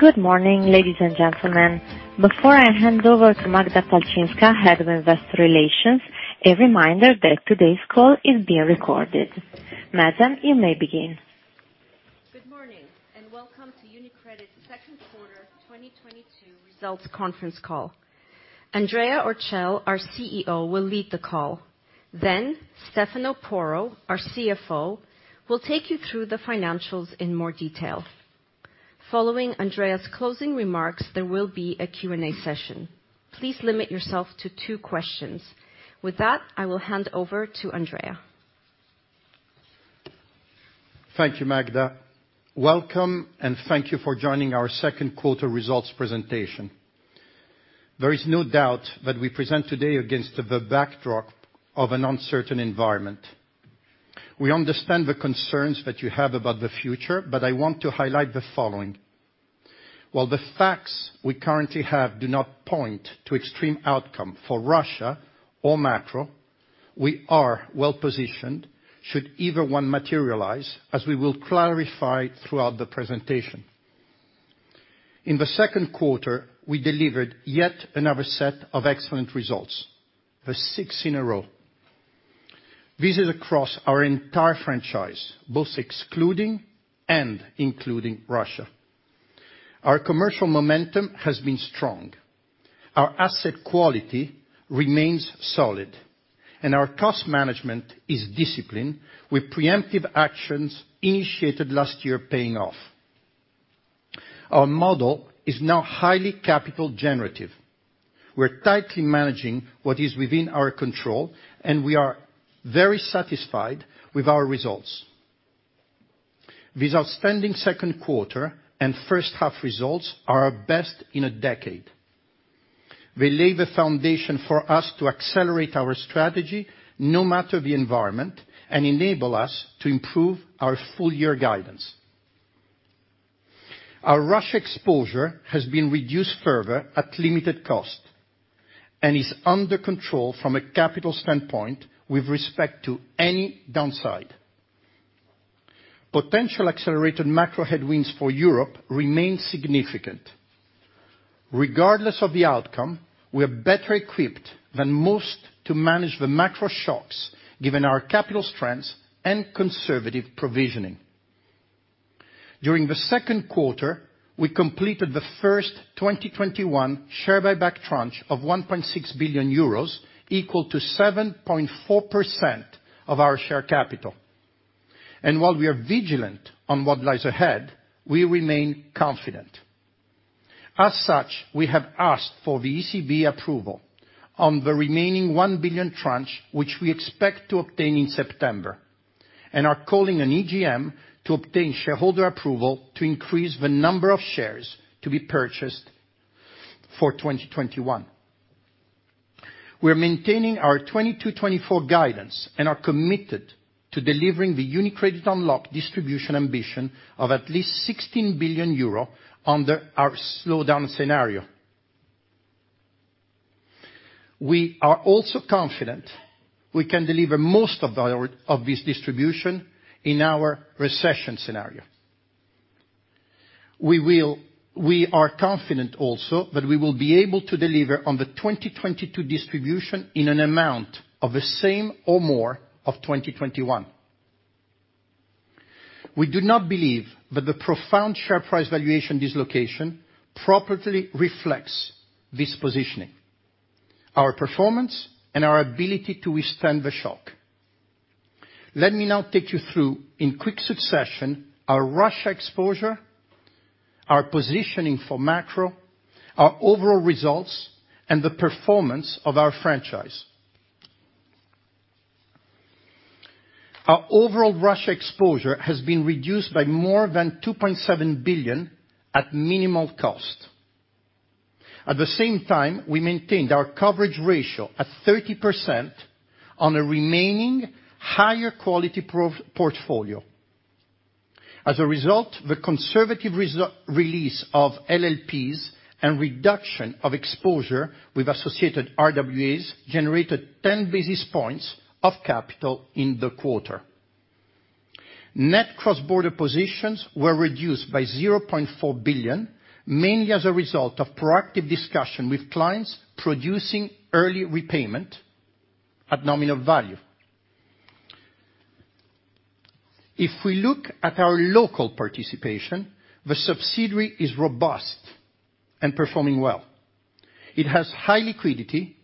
Good morning, Ladies and Gentlemen. Before I hand over to Magda Palczynska, Head of Investor Relations, a reminder that today's call is being recorded. Madam, you may begin. Good morning, and Welcome to UniCredit Second Quarter 2022 Results Conference Call. Andrea Orcel, our CEO, will lead the call. Then Stefano Porro, our CFO, will take you through the financials in more detail. Following Andrea's closing remarks, there will be a Q&A session. Please limit yourself to two questions. With that, I will hand over to Andrea. Thank you, Magda. Welcome and thank you for joining our second quarter results presentation. There is no doubt that we present today against the backdrop of an uncertain environment. We understand the concerns that you have about the future, but I want to highlight the following. While the facts we currently have do not point to extreme outcome for Russia or Macro, we are well-positioned should either one materialize, as we will clarify throughout the presentation. In the second quarter, we delivered yet another set of excellent results, the sixth in a row. This is across our entire franchise, both excluding and including Russia. Our commercial momentum has been strong. Our asset quality remains solid, and our cost management is disciplined with preemptive actions initiated last year paying off. Our model is now highly capital generative. We're tightly managing what is within our control, and we are very satisfied with our results. These outstanding second quarter and first half results are our best in a decade. We lay the foundation for us to accelerate our strategy no matter the environment and enable us to improve our full year guidance. Our Russia exposure has been reduced further at limited cost and is under control from a capital standpoint with respect to any downside. Potential accelerated macro headwinds for Europe remain significant. Regardless of the outcome, we are better equipped than most to manage the macro shocks given our capital strengths and conservative provisioning. During the second quarter, we completed the first 2021 Share Buyback Tranche of 1.6 billion euros, equal to 7.4% of our share capital. While we are vigilant on what lies ahead, we remain confident. We have asked for the ECB approval on the remaining 1 billion tranche, which we expect to obtain in September, and are calling an EGM to obtain shareholder approval to increase the number of shares to be purchased for 2021. We're maintaining our 2022-2024 guidance and are committed to delivering the UniCredit Unlocked distribution ambition of at least 16 billion euro under our slowdown scenario. We are also confident we can deliver most of this distribution in our recession scenario. We are confident also that we will be able to deliver on the 2022 distribution in an amount of the same or more of 2021. We do not believe that the profound share price valuation dislocation properly reflects this positioning, our performance, and our ability to withstand the shock. Let me now take you through in quick succession, our Russia exposure, our positioning for macro, our overall results, and the performance of our franchise. Our overall Russia exposure has been reduced by more than 2.7 billion at minimal cost. At the same time, we maintained our coverage ratio at 30% on a remaining higher quality portfolio. As a result, the conservative release of LLPs and reduction of exposure with associated RWAs generated 10 basis points of capital in the quarter. Net cross-border positions were reduced by 0.4 billion, mainly as a result of proactive discussion with clients producing early repayment at nominal value. If we look at our local participation, the subsidiary is robust and performing well. It has high liquidity,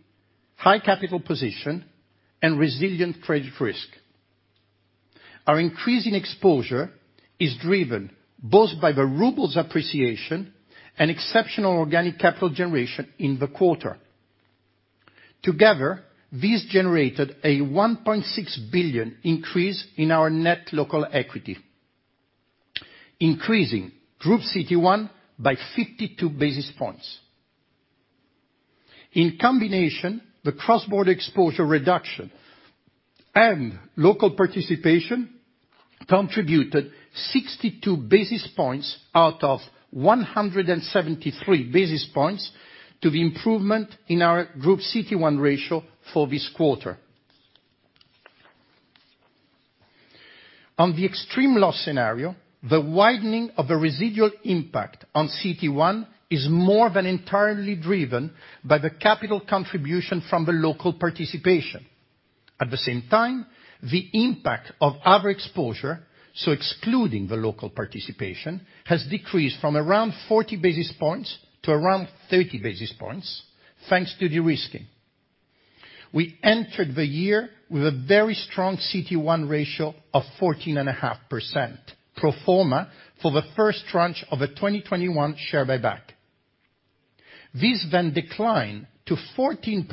high capital position, and resilient credit risk. Our increase in exposure is driven both by the ruble's appreciation and exceptional Organic Capital Generation in the quarter. Together, these generated a 1.6 billion increase in our net local equity, increasing Group CET1 by 52 basis points. In combination, the cross-border exposure reduction and local participation contributed 62 basis points out of 173 basis points to the improvement in our Group CET1 ratio for this quarter. On the extreme loss scenario, the widening of the residual impact on CET1 is more than entirely driven by the capital contribution from the local participation. At the same time, the impact of our exposure, so excluding the local participation, has decreased from around 40 basis points to around 30 basis points thanks to de-risking. We entered the year with a very strong CET1 ratio of 14.5% pro forma for the first tranche of the 2021 share buyback. This then declined to 14%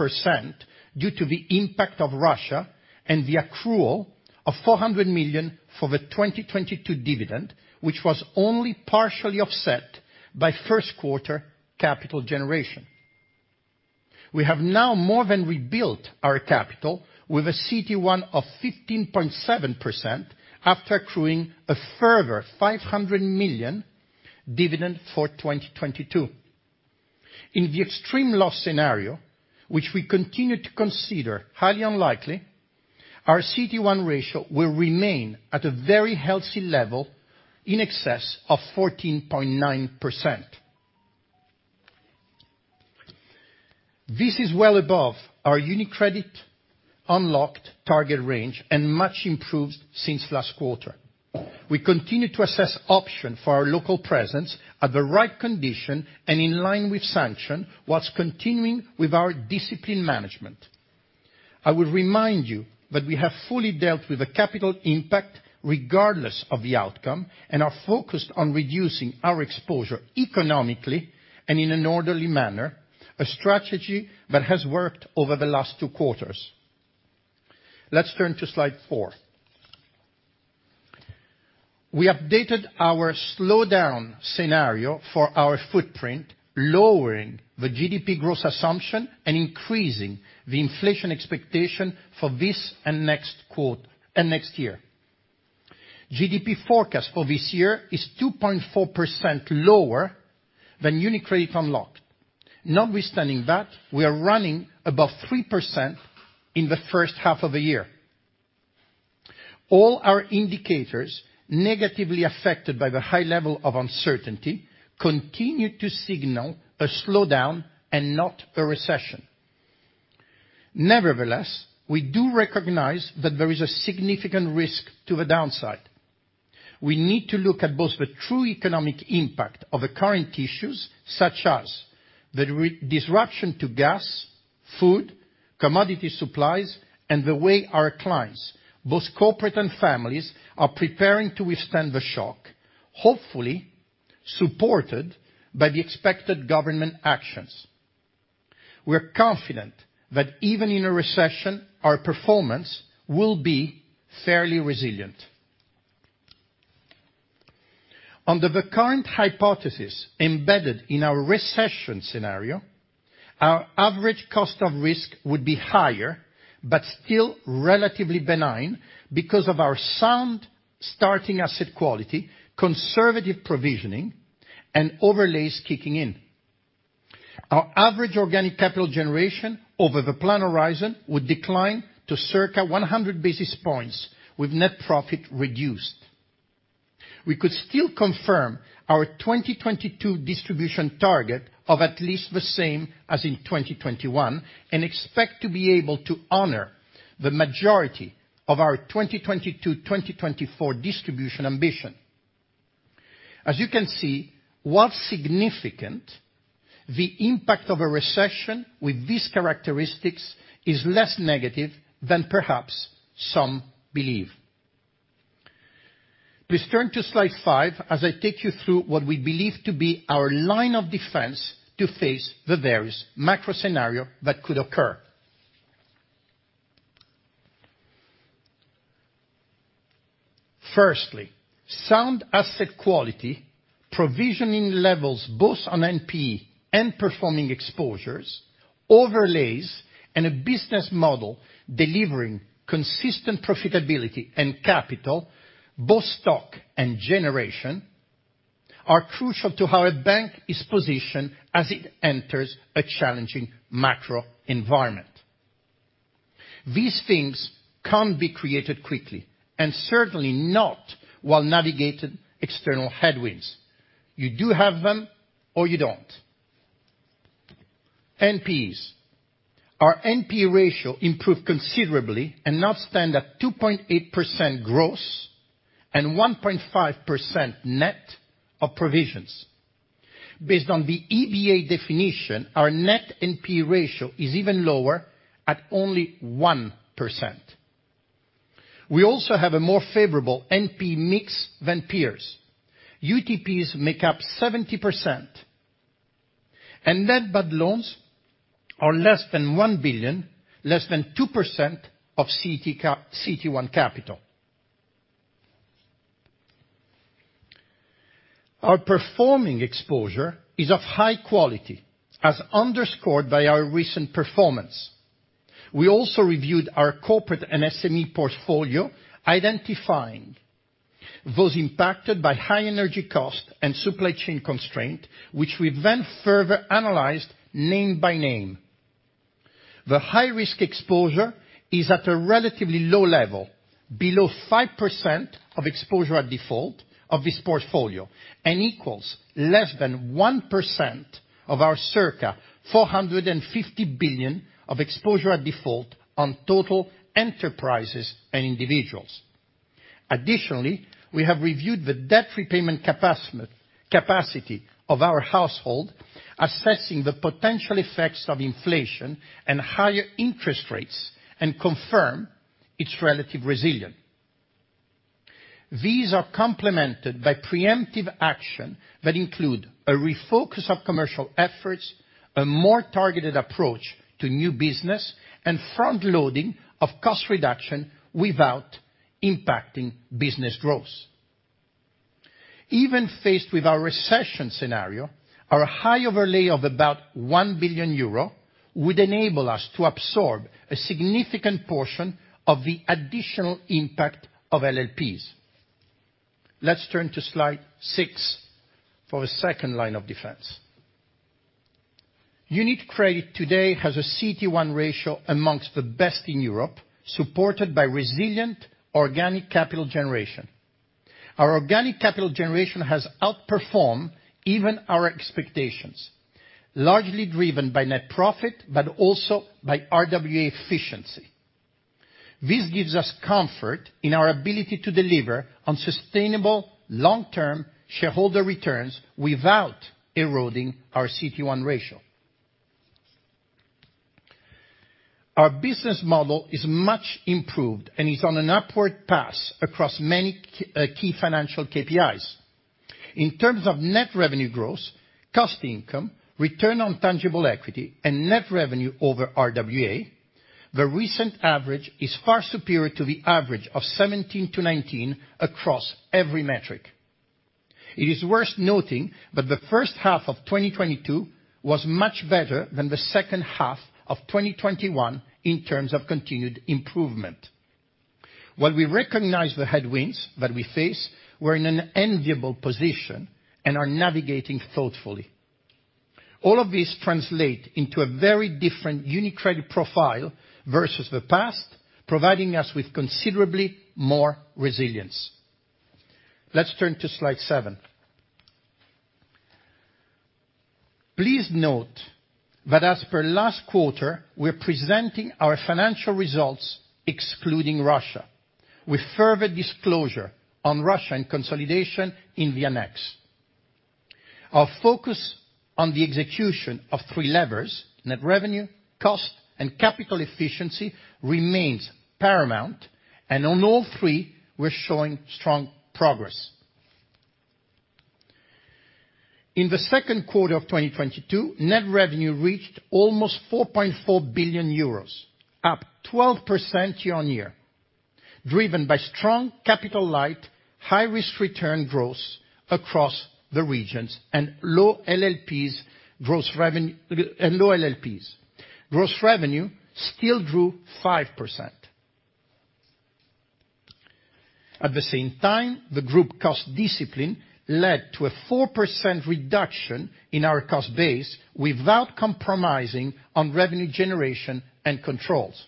due to the impact of Russia and the accrual of 400 million for the 2022 dividend, which was only partially offset by first quarter capital generation. We have now more than rebuilt our capital with a CET1 of 15.7% after accruing a further 500 million dividend for 2022. In the extreme loss scenario, which we continue to consider highly unlikely, our CET1 ratio will remain at a very healthy level in excess of 14.9%. This is well above our UniCredit Unlocked target range and much improved since last quarter. We continue to assess option for our local presence at the right condition and in line with sanction while continuing with our discipline management. I would remind you that we have fully dealt with the capital impact regardless of the outcome and are focused on reducing our exposure economically and in an orderly manner, a strategy that has worked over the last two quarters. Let's turn to slide four. We updated our slowdown scenario for our footprint, lowering the GDP growth assumption and increasing the inflation expectation for this and next quarter and next year. GDP forecast for this year is 2.4% lower than UniCredit Unlocked. Notwithstanding that, we are running above 3% in the first half of the year. All our indicators negatively affected by the high level of uncertainty continue to signal a slowdown and not a recession. Nevertheless, we do recognize that there is a significant risk to the downside. We need to look at both the true economic impact of the current issues, such as the disruption to gas, food, commodity supplies, and the way our clients, both corporate and families, are preparing to withstand the shock, hopefully supported by the expected government actions. We are confident that even in a recession, our performance will be fairly resilient. Under the current hypothesis embedded in our recession scenario, our average Cost of Risk would be higher, but still relatively benign because of our sound starting asset quality, conservative provisioning, and overlays kicking in. Our average Organic Capital Generation over the plan horizon would decline to circa 100 basis points with net profit reduced. We could still confirm our 2022 distribution target of at least the same as in 2021 and expect to be able to honor the majority of our 2022-2024 distribution ambition. As you can see, while significant, the impact of a recession with these characteristics is less negative than perhaps some believe. Please turn to slide five as I take you through what we believe to be our line of defense to face the various macro scenarios that could occur. Firstly, sound asset quality, provisioning levels both on NPE and performing exposures, overlays, and a business model delivering consistent profitability and capital, both stock and generation, are crucial to how a bank is positioned as it enters a challenging macro environment. These things can't be created quickly, and certainly not while navigating external headwinds. You do have them or you don't. NPEs. Our NPE ratio improved considerably and now stands at 2.8% gross and 1.5% net of provisions. Based on the EBA definition, our net NPE ratio is even lower at only 1%. We also have a more favorable NPE mix than peers. UTPs make up 70% and net bad loans are less than 1 billion, less than 2% of CET1 capital. Our performing exposure is of high quality, as underscored by our recent performance. We also reviewed our corporate and SME portfolio, identifying those impacted by high energy costs and supply chain constraints, which we then further analyzed name by name. The high risk exposure is at a relatively low level, below 5% of exposure at default of this portfolio, and equals less than 1% of our circa 450 billion of exposure at default on total enterprises and individuals. Additionally, we have reviewed the debt repayment capacity of our household, assessing the potential effects of inflation and higher interest rates, and confirm its relative resilience. These are complemented by preemptive action that include a refocus of commercial efforts, a more targeted approach to new business, and front-loading of cost reduction without impacting business growth. Even faced with our recession scenario, our high overlay of about 1 billion euro would enable us to absorb a significant portion of the additional impact of LLPs. Let's turn to slide six for a second line of defense. UniCredit today has a CET1 ratio among the best in Europe, supported by resilient Organic Capital Generation. Our Organic Capital Generation has outperformed even our expectations, largely driven by net profit, but also by RWA efficiency. This gives us comfort in our ability to deliver on sustainable long-term shareholder returns without eroding our CET1 ratio. Our business model is much improved and is on an upward path across many key financial KPIs. In terms of net revenue growth, cost income, Return on Tangible Equity, and net revenue over RWA, the recent average is far superior to the average of 2017 to 2019 across every metric. It is worth noting that the first half of 2022 was much better than the second half of 2021 in terms of continued improvement. While we recognize the headwinds that we face, we're in an enviable position and are navigating thoughtfully. All of this translate into a very different UniCredit profile versus the past, providing us with considerably more resilience. Let's turn to slide seven. Please note that as per last quarter, we're presenting our financial results excluding Russia, with further disclosure on Russia and consolidation in the annex. Our focus on the execution of three levers, net revenue, cost, and capital efficiency, remains paramount, and on all three, we're showing strong progress. In the second quarter of 2022, net revenue reached almost 4.4 billion euros, up 12% year-on-year, driven by strong capital light, high-risk return growth across the regions and low LLPs. Gross revenue still grew 5%. At the same time, the group cost discipline led to a 4% reduction in our cost base without compromising on revenue generation and controls.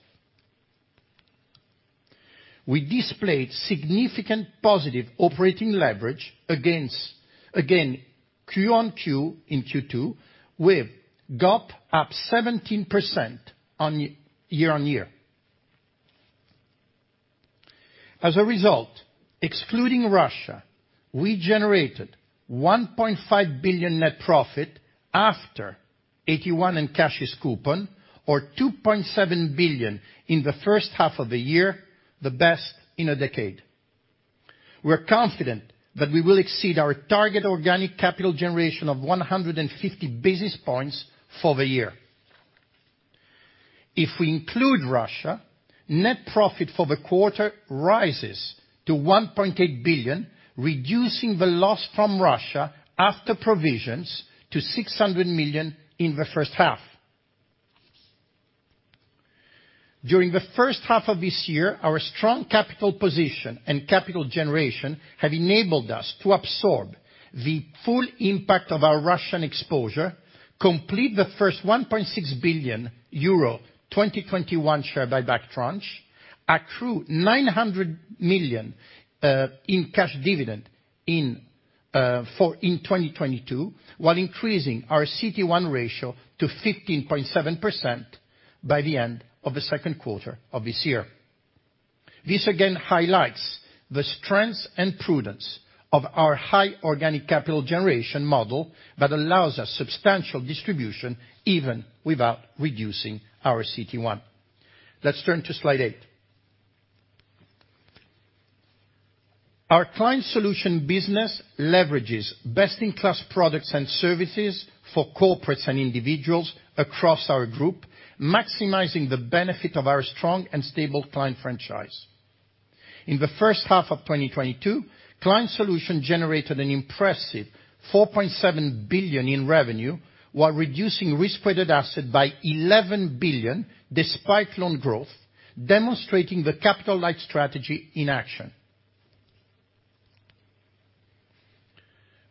We displayed significant Positive Operating Leverage against, again, quarter-on-quarter in Q2, with GOP up 17% year-on-year. As a result, excluding Russia, we generated 1.5 billion net profit after AT1 and cash coupon, or 2.7 billion in the first half of the year, the best in a decade. We're confident that we will exceed our target Organic Capital Generation of 150 basis points for the year. If we include Russia, net profit for the quarter rises to 1.8 billion, reducing the loss from Russia after provisions to 600 million in the first half. During the first half of this year, our strong capital position and capital generation have enabled us to absorb the full impact of our Russian exposure, complete the first 1.6 billion euro 2021 Share Buyback Tranche, accrue 900 million in cash dividend for 2022, while increasing our CET1 ratio to 15.7% by the end of the second quarter of this year. This again highlights the strengths and prudence of our high Organic Capital Generation model that allows us substantial distribution even without reducing our CET1. Let's turn to slide eight. Our client solution business leverages best-in-class products and services for corporates and individuals across our group, maximizing the benefit of our strong and stable client franchise. In the first half of 2022, Client Solutions generated an impressive 4.7 billion in revenue while reducing Risk-Weighted Assets by 11 billion, despite loan growth, demonstrating the capital light strategy in action.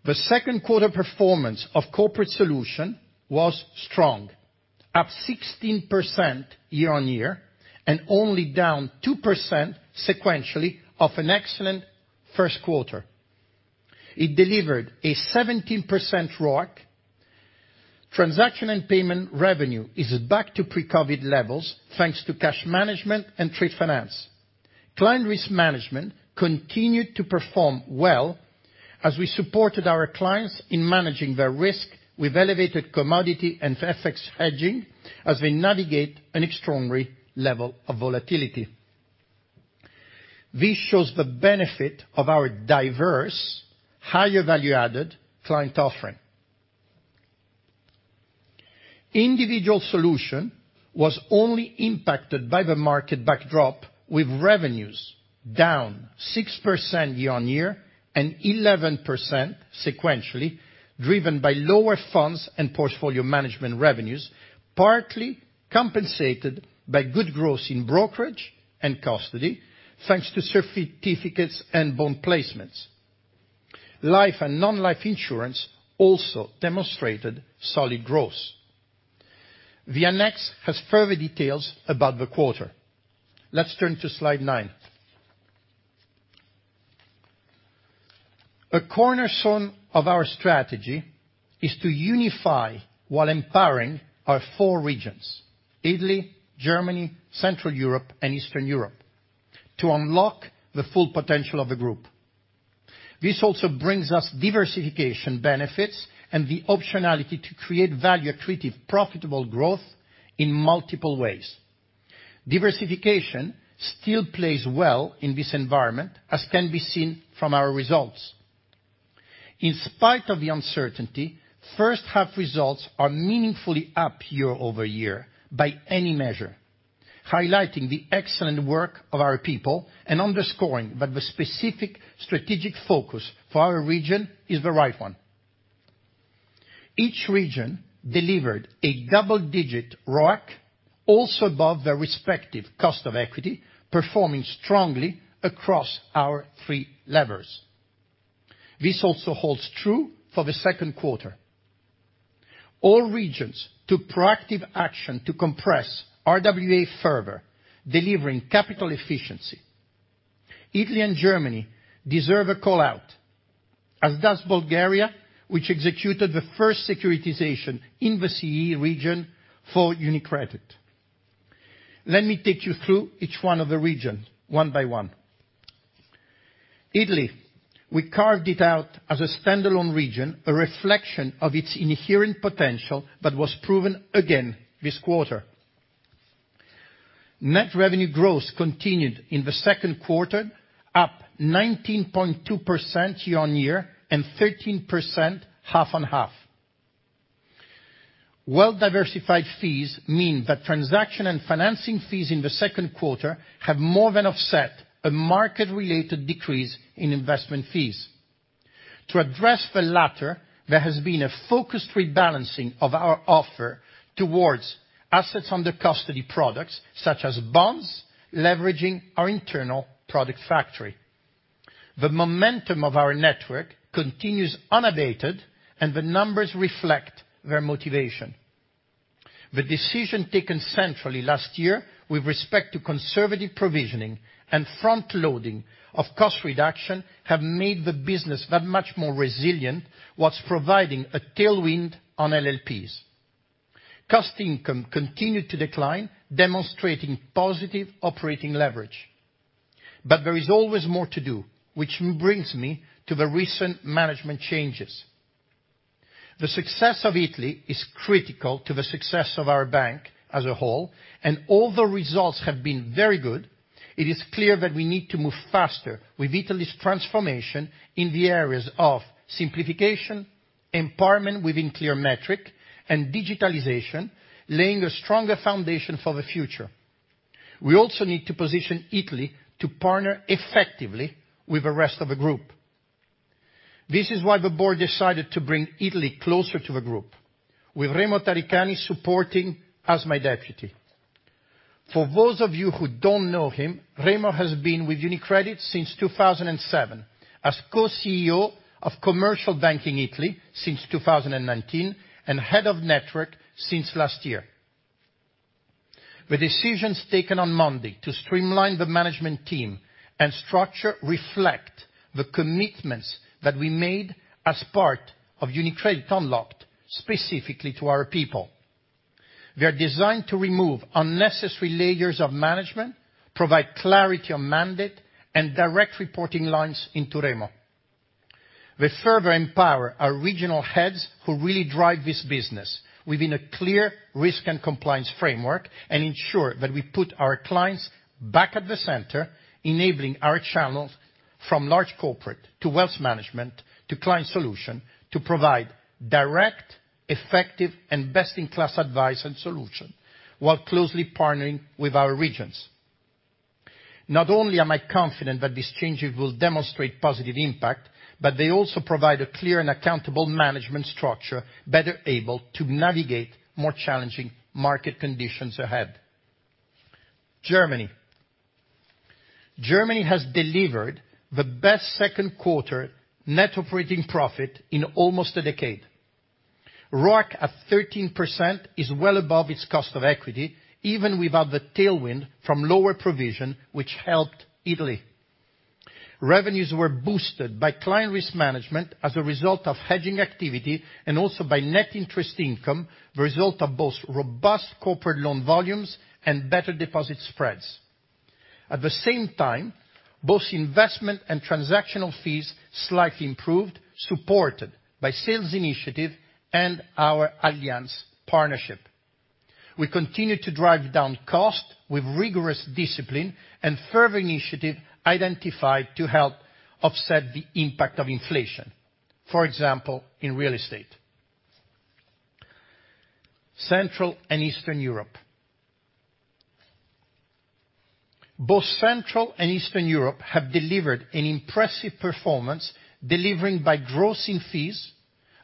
The second quarter performance of Corporate Solutions was strong, up 16% year-on-year, and only down 2% sequentially off an excellent first quarter. It delivered a 17% RoAC. Transaction and payment revenue is back to pre-COVID levels, thanks to cash management and trade finance. Client risk management continued to perform well as we supported our clients in managing their risk with elevated commodity and FX hedging as we navigate an extraordinary level of volatility. This shows the benefit of our diverse, higher value-added client offering. Individual solution was only impacted by the market backdrop, with revenues down 6% year-on-year and 11% sequentially, driven by lower funds and portfolio management revenues, partly compensated by good growth in brokerage and custody, thanks to certificates and bond placements. Life and non-life insurance also demonstrated solid growth. The annex has further details about the quarter. Let's turn to slide nine. A cornerstone of our strategy is to unify while empowering our four regions, Italy, Germany, Central Europe, and Eastern Europe, to unlock the full potential of the group. This also brings us diversification benefits and the optionality to create value accretive, profitable growth in multiple ways. Diversification still plays well in this environment, as can be seen from our results. In spite of the uncertainty, first half results are meaningfully up year-over-year by any measure, highlighting the excellent work of our people and underscoring that the specific strategic focus for our region is the right one. Each region delivered a double-digit RoAC, also above their respective cost of equity, performing strongly across our three levers. This also holds true for the second quarter. All regions took proactive action to compress RWA further, delivering capital efficiency. Italy and Germany deserve a call-out, as does Bulgaria, which executed the first securitization in the CE region for UniCredit. Let me take you through each one of the regions one by one. Italy, we carved it out as a standalone region, a reflection of its inherent potential that was proven again this quarter. Net revenue growth continued in the second quarter, up 19.2% year-on-year and 13% half-on-half. Well-diversified fees mean that transaction and financing fees in the second quarter have more than offset a market-related decrease in investment fees. To address the latter, there has been a focused rebalancing of our offer towards assets under custody products, such as bonds, leveraging our internal product factory. The momentum of our network continues unabated, and the numbers reflect their motivation. The decision taken centrally last year with respect to conservative provisioning and front-loading of cost reduction have made the business that much more resilient while providing a tailwind on LLPs. Cost income continued to decline, demonstrating Positive Operating Leverage. There is always more to do, which brings me to the recent management changes. The success of Italy is critical to the success of our bank as a whole, and all the results have been very good. It is clear that we need to move faster with Italy's transformation in the areas of simplification, empowerment within clear metrics, and digitalization, laying a stronger foundation for the future. We also need to position Italy to partner effectively with the rest of the group. This is why the board decided to bring Italy closer to the group, with Remo Taricani supporting as my deputy. For those of you who don't know him, Remo has been with UniCredit since 2007 as co-CEO of Commercial Banking Italy since 2019, and Head of Network since last year. The decisions taken on Monday to streamline the management team and structure reflect the commitments that we made as part of UniCredit Unlocked specifically to our people. They are designed to remove unnecessary layers of management, provide clarity on mandate, and direct reporting lines into Remo. We further empower our regional heads who really drive this business within a clear risk and compliance framework and ensure that we put our clients back at the center, enabling our channels from large corporate to wealth management to client solution to provide direct, effective, and best-in-class advice and solution while closely partnering with our regions. Not only am I confident that these changes will demonstrate positive impact, but they also provide a clear and accountable management structure better able to navigate more challenging market conditions ahead. Germany has delivered the best second quarter net operating profit in almost a decade. RoAC at 13% is well above its cost of equity, even without the tailwind from lower provision, which helped Italy. Revenues were boosted by client risk management as a result of hedging activity and also by Net Interest Income, the result of both robust corporate loan volumes and better deposit spreads. At the same time, both investment and transactional fees slightly improved, supported by sales initiative and our Allianz partnership. We continue to drive down costs with rigorous discipline and further initiative identified to help offset the impact of inflation, for example, in real estate. Central and Eastern Europe. Both Central and Eastern Europe have delivered an impressive performance, delivering by grossing fees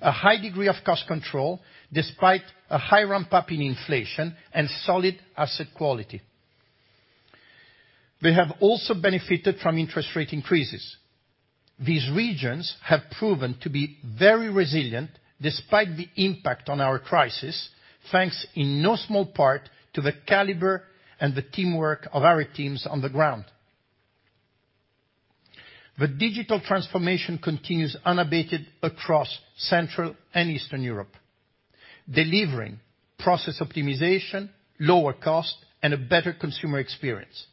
a high degree of cost control despite a high ramp-up in inflation and solid asset quality. They have also benefited from interest rate increases. These regions have proven to be very resilient despite the impact on our crisis, thanks in no small part to the caliber and the teamwork of our teams on the ground. The digital transformation continues unabated across Central and Eastern Europe, delivering process optimization, lower cost, and a better consumer experience.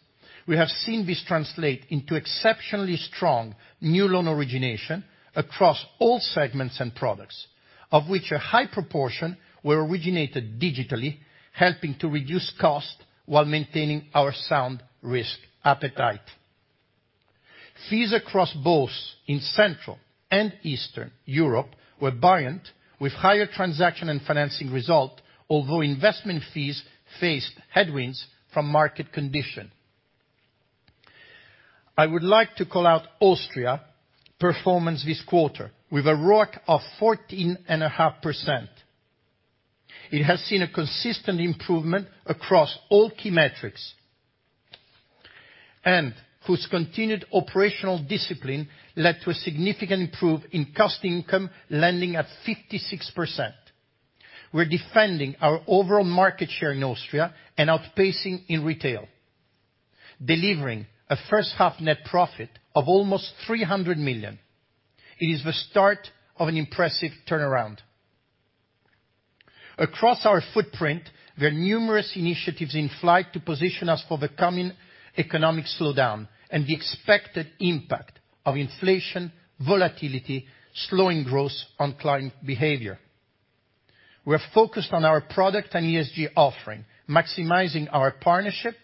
We have seen this translate into exceptionally strong new loan origination across all segments and products, of which a high proportion were originated digitally, helping to reduce cost while maintaining our sound risk appetite. Fees across both in Central and Eastern Europe were buoyant with higher transaction and financing result, although investment fees faced headwinds from market condition. I would like to call out Austria performance this quarter with a RoAC of 14.5%. It has seen a consistent improvement across all key metrics, and whose continued operational discipline led to a significant improvement in cost/income, landing at 56%. We're defending our overall market share in Austria and outpacing in retail, delivering a first half net profit of almost 300 million. It is the start of an impressive turnaround. Across our footprint, there are numerous initiatives in flight to position us for the coming economic slowdown and the expected impact of inflation, volatility, slowing growth on client behavior. We are focused on our product and ESG offering, maximizing our partnership,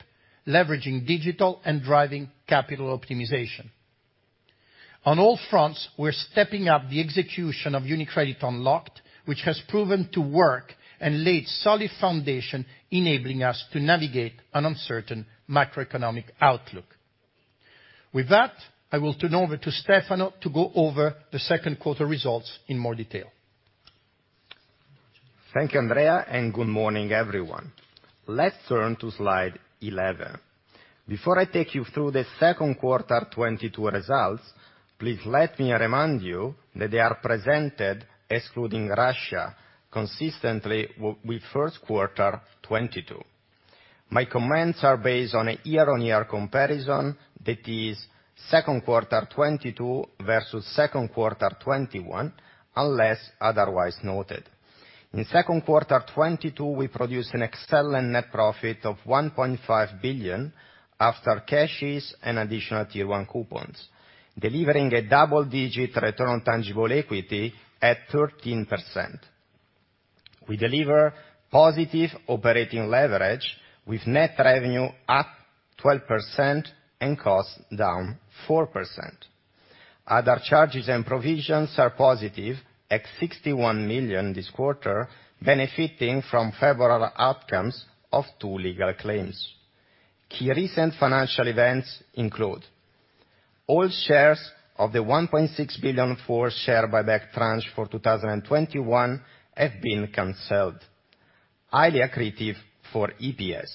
leveraging digital, and driving capital optimization. On all fronts, we're stepping up the execution of UniCredit Unlocked, which has proven to work and laid solid foundation, enabling us to navigate an uncertain macroeconomic outlook. With that, I will turn over to Stefano to go over the second quarter results in more detail. Thank you, Andrea, and good morning, everyone. Let's turn to slide 11. Before I take you through the second quarter 2022 results, please let me remind you that they are presented excluding Russia consistently with first quarter 2022. My comments are based on a year-on-year comparison that is second quarter 2022 versus second quarter 2021, unless otherwise noted. In second quarter 2022, we produced an excellent net profit of 1.5 billion after charges and Additional Tier 1 coupons, delivering a double-digit Return on Tangible Equity at 13%. We deliver Positive Operating Leverage with net revenue up 12% and costs down 4%. Other charges and provisions are positive at 61 million this quarter, benefiting from favorable outcomes of two legal claims. Key recent financial events include all shares of the 1.6 billion Share Buyback Tranche for 2021 have been canceled, highly accretive for EPS.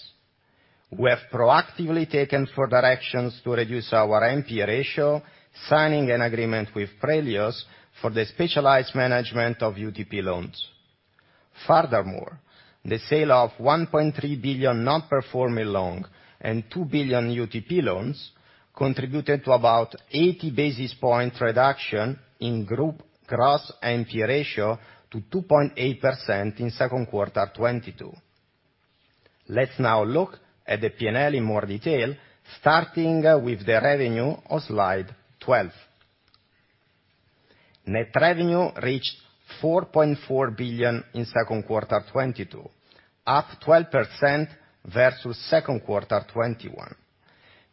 We have proactively taken further actions to reduce our NPA ratio, signing an agreement with Prelios for the specialized management of UTP loans. Furthermore, the sale of 1.3 billion non-performing loan and 2 billion UTP loans contributed to about 80 basis points reduction in group gross NPA ratio to 2.8% in second quarter 2022. Let's now look at the P&L in more detail, starting with the revenue on slide 12. Net revenue reached 4.4 billion in second quarter 2022, up 12% versus second quarter 2021.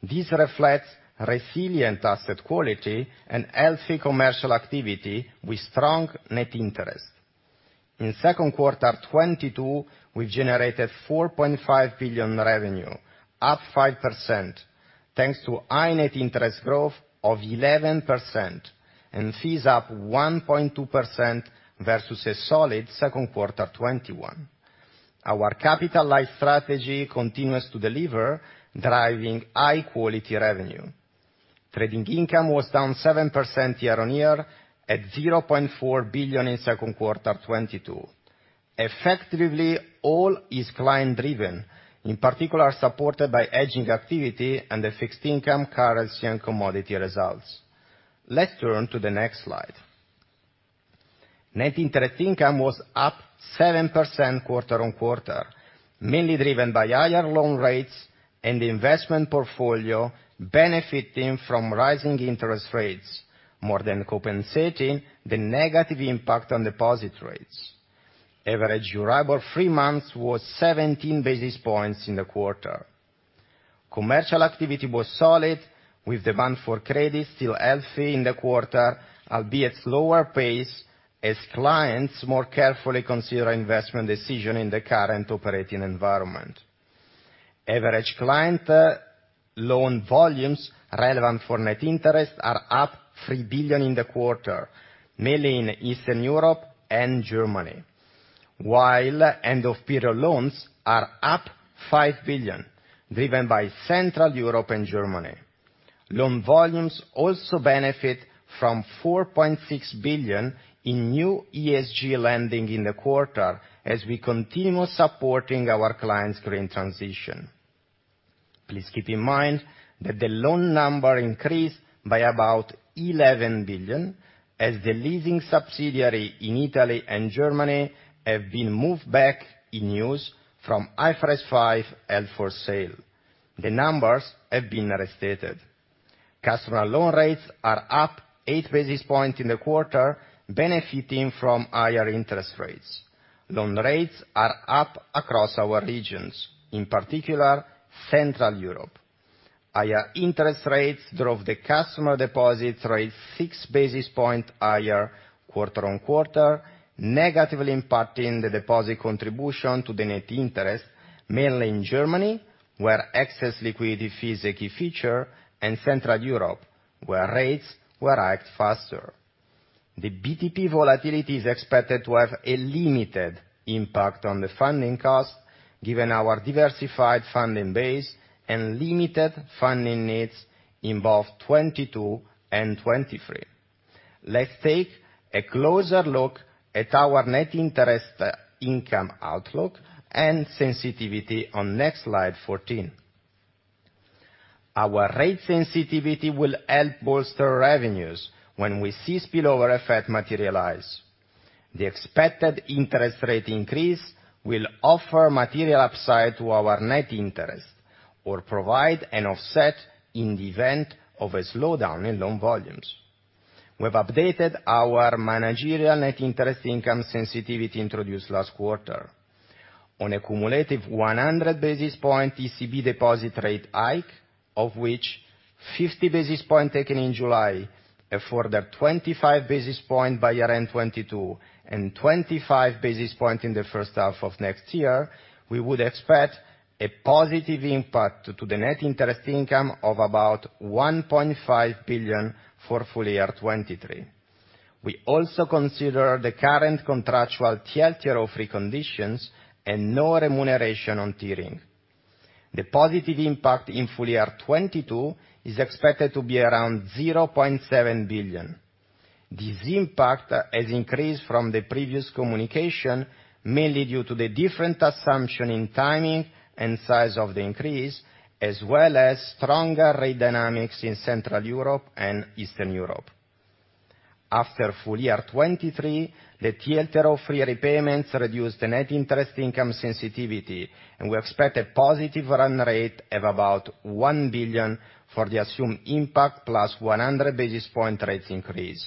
This reflects resilient asset quality and healthy commercial activity with strong net interest. In second quarter 2022, we generated 4.5 billion revenue, up 5%, thanks to high net interest growth of 11% and fees up 1.2% versus a solid second quarter 2021. Our capital light strategy continues to deliver, driving high quality revenue. Trading income was down 7% year-on-year at 0.4 billion in second quarter 2022. Effectively all is client driven, in particular supported by hedging activity and the fixed income currency and commodity results. Let's turn to the next slide. Net Interest Income was up 7% quarter-on-quarter, mainly driven by higher loan rates and investment portfolio benefiting from rising interest rates more than compensating the negative impact on deposit rates. Average Euribor three months was 17 basis points in the quarter. Commercial activity was solid with demand for credit still healthy in the quarter, albeit slower pace as clients more carefully consider investment decision in the current operating environment. Average client loan volumes relevant for net interest are up 3 billion in the quarter, mainly in Eastern Europe and Germany. While end of period loans are up 5 billion, driven by Central Europe and Germany. Loan volumes also benefit from 4.6 billion in new ESG lending in the quarter as we continue supporting our clients' green transition. Please keep in mind that the loan number increased by about 11 billion as the leasing subsidiary in Italy and Germany have been moved back in use from IFRS 5 held for sale. The numbers have been restated. Customer loan rates are up 8 basis points in the quarter, benefiting from higher interest rates. Loan rates are up across our regions, in particular Central Europe. Higher interest rates drove the customer deposits rate 6 basis points higher quarter on quarter, negatively impacting the deposit contribution to the net interest, mainly in Germany, where excess liquidity fees are a key feature in Central Europe, where rates were hiked faster. The BTP volatility is expected to have a limited impact on the funding cost given our diversified funding base and limited funding needs in both 2022 and 2023. Let's take a closer look at our Net Interest Income outlook and sensitivity on next slide 14. Our rate sensitivity will help bolster revenues when we see spillover effect materialize. The expected interest rate increase will offer material upside to our net interest or provide an offset in the event of a slowdown in loan volumes. We've updated our managerial Net Interest Income sensitivity introduced last quarter. On a cumulative 100 basis point ECB deposit rate hike, of which 50 basis points taken in July, a further 25 basis points by year-end 2022, and 25 basis points in the first half of next year, we would expect a positive impact to the Net Interest Income of about 1.5 billion for full year 2023. We also consider the current contractual TLTRO III conditions and no remuneration on tiering. The positive impact in full year 2022 is expected to be around 0.7 billion. This impact has increased from the previous communication, mainly due to the different assumption in timing and size of the increase, as well as stronger rate dynamics in Central Europe and Eastern Europe. After full year 2023, the TLTRO III repayments reduced the Net Interest Income sensitivity, and we expect a positive run rate of about 1 billion for the assumed impact plus 100 basis points rates increase.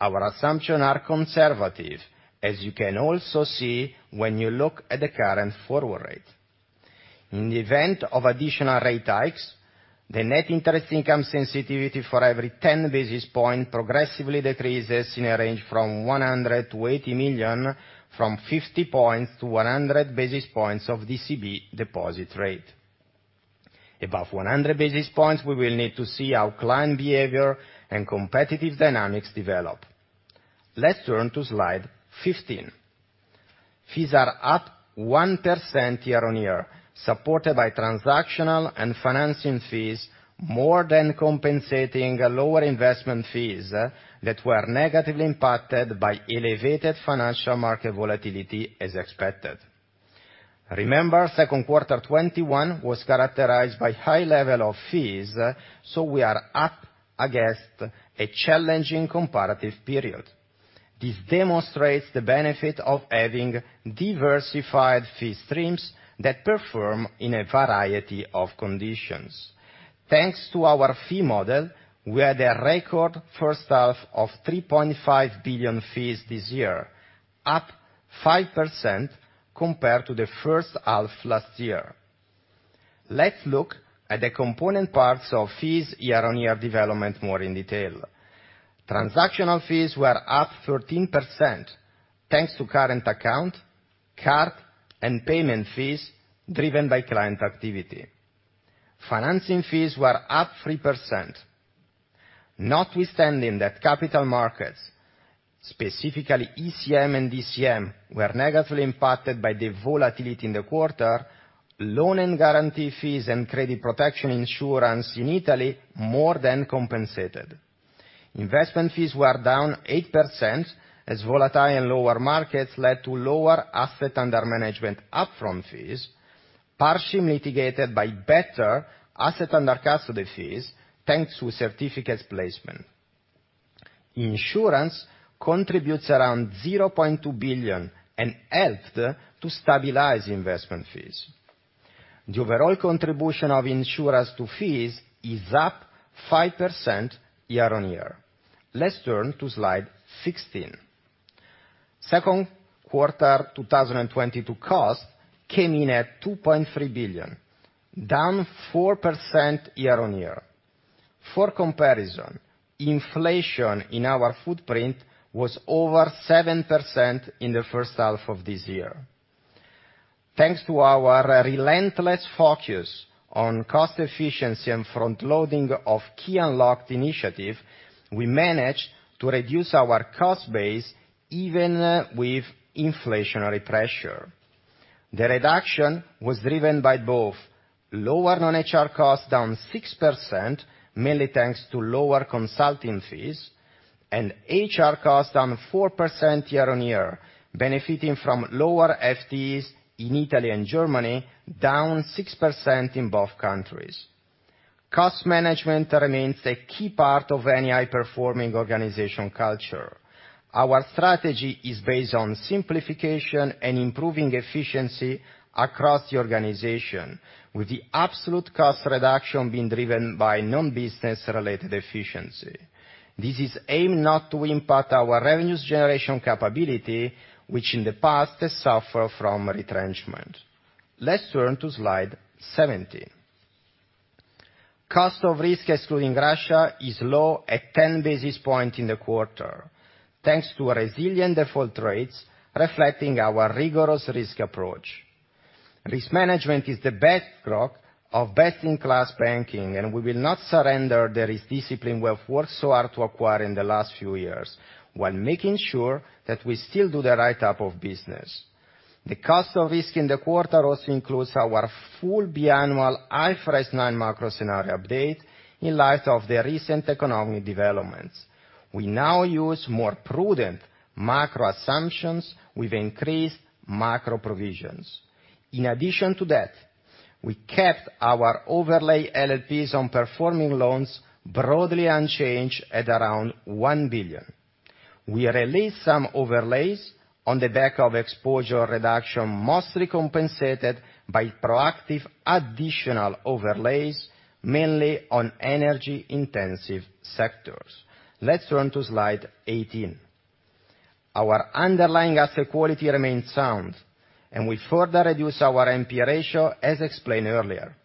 Our assumptions are conservative, as you can also see when you look at the current forward rate. In the event of additional rate hikes, the Net Interest Income sensitivity for every 10 basis points progressively decreases in a range from 100 million-80 million, from 50 points to 100 basis points of ECB deposit rate. Above 100 basis points, we will need to see how client behavior and competitive dynamics develop. Let's turn to slide 15. Fees are up 1% year-on-year, supported by transactional and financing fees, more than compensating lower investment fees that were negatively impacted by elevated financial market volatility as expected. Remember, second quarter 2021 was characterized by high level of fees, so we are up against a challenging comparative period. This demonstrates the benefit of having diversified fee streams that perform in a variety of conditions. Thanks to our fee model, we had a record first half of 3.5 billion fees this year, up 5% compared to the first half last year. Let's look at the component parts of fees year-on-year development more in detail. Transactional fees were up 13%, thanks to current account, card, and payment fees driven by client activity. Financing fees were up 3%. Notwithstanding that capital markets, specifically ECM and DCM, were negatively impacted by the volatility in the quarter, loan and guarantee fees and credit protection insurance in Italy more than compensated. Investment fees were down 8% as volatile and lower markets led to lower asset under management upfront fees, partially mitigated by better asset under custody fees, thanks to certificates placement. Insurance contributes around 0.2 billion, and helped to stabilize investment fees. The overall contribution of insurance to fees is up 5% year-on-year. Let's turn to slide 16. Second quarter 2022 costs came in at 2.3 billion, down 4% year-on-year. For comparison, inflation in our footprint was over 7% in the first half of this year. Thanks to our relentless focus on cost efficiency and front-loading of key unlocked initiative, we managed to reduce our cost base even with inflationary pressure. The reduction was driven by both lower non-HR costs, down 6%, mainly thanks to lower consulting fees, and HR costs down 4% year-on-year, benefiting from lower FTEs in Italy and Germany, down 6% in both countries. Cost management remains a key part of any high-performing organization culture. Our strategy is based on simplification and improving efficiency across the organization, with the absolute cost reduction being driven by non-business related efficiency. This is aimed not to impact our revenues generation capability, which in the past has suffered from retrenchment. Let's turn to slide 17. Cost of Risk excluding Russia is low at 10 basis points in the quarter, thanks to resilient default rates reflecting our rigorous risk approach. Risk management is the bedrock of best-in-class banking, and we will not surrender the risk discipline we have worked so hard to acquire in the last few years, while making sure that we still do the right type of business. The Cost of Risk in the quarter also includes our full biannual IFRS 9 macro scenario update in light of the recent economic developments. We now use more prudent macro assumptions with increased macro provisions. In addition to that, we kept our overlay LLPs on performing loans broadly unchanged at around 1 billion. We released some overlays on the back of exposure reduction, mostly compensated by proactive additional overlays, mainly on energy-intensive sectors. Let's turn to slide 18. Our underlying asset quality remains sound, and we further reduce our NP ratio, as explained earlier.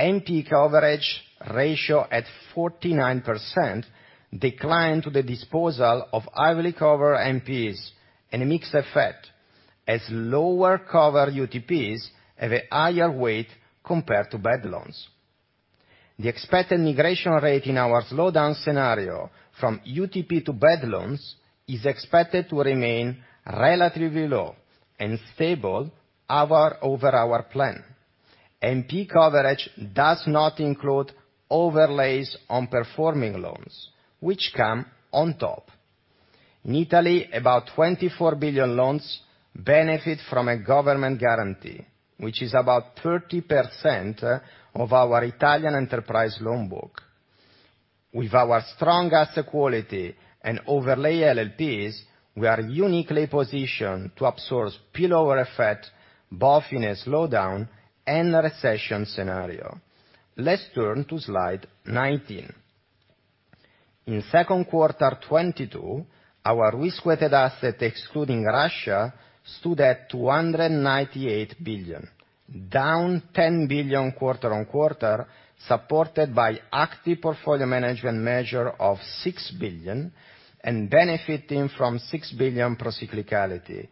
NP coverage ratio at 49% declined due to the disposal of heavily covered NPs and a mixed effect as lower coverage UTPs have a higher weight compared to bad loans. The expected migration rate in our slowdown scenario from UTP to bad loans is expected to remain relatively low and stable over our plan. NP coverage does not include overlays on performing loans, which come on top. In Italy, about 24 billion loans benefit from a government guarantee, which is about 30% of our Italian enterprise loan book. With our strong asset quality and overlay LLPs, we are uniquely positioned to absorb spillover effect, both in a slowdown and recession scenario. Let's turn to slide 19. In second quarter 2022, our Risk-Weighted Asset excluding Russia stood at 298 billion, down 10 billion quarter-on-quarter, supported by active portfolio management measure of 6 billion and benefiting from 6 billion procyclicality,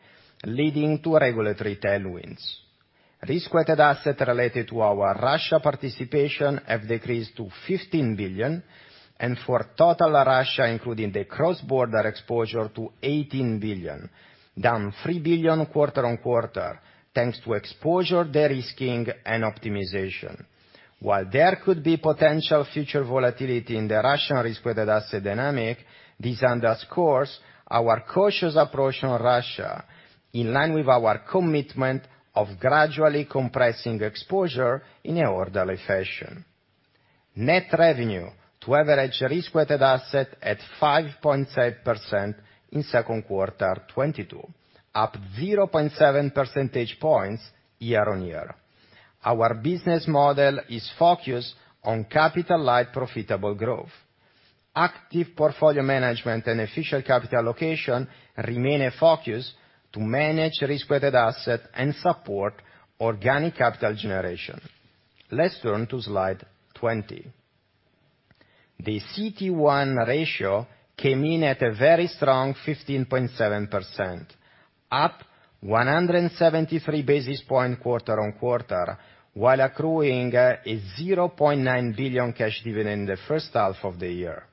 leading to regulatory tailwinds. Risk-Weighted Assets related to our Russia participation have decreased to 15 billion and for total Russia, including the cross-border exposure to 18 billion, down 3 billion quarter-on-quarter, thanks to exposure de-risking and optimization. While there could be potential future volatility in the Russian Risk-Weighted Asset dynamic, this underscores our cautious approach on Russia, in line with our commitment of gradually compressing exposure in an orderly fashion. Net revenue to average Risk-Weighted Asset at 5.7% in second quarter 2022, up 0.7 percentage points year-on-year. Our business model is focused on capital-light profitable growth. Active portfolio management and optimal capital allocation remain a focus to manage Risk-Weighted Assets and support Organic Capital Generation. Let's turn to slide 20. The CET1 ratio came in at a very strong 15.7%, up 173 basis points quarter-over-quarter, while accruing a 0.9 billion cash dividend in the first half of the year.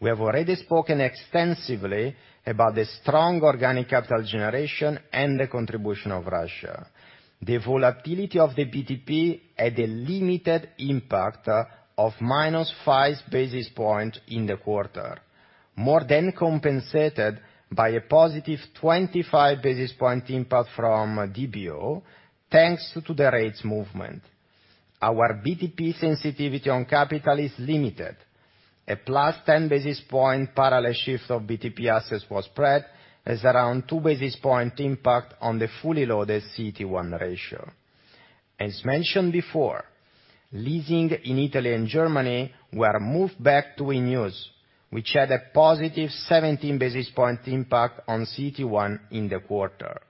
We have already spoken extensively about the strong Organic Capital Generation and the contribution of Russia. The volatility of the BTP had a limited impact of -5 basis points in the quarter, more than compensated by a +25 basis point impact from DBO thanks to the rates movement. Our BTP sensitivity on capital is limited. A +10 basis point parallel shift of BTP assets for spread has around 2 basis point impact on the fully loaded CET1 ratio. As mentioned before, leasing in Italy and Germany were moved back to renewals, which had a +17 basis points impact on CET1 in the quarter.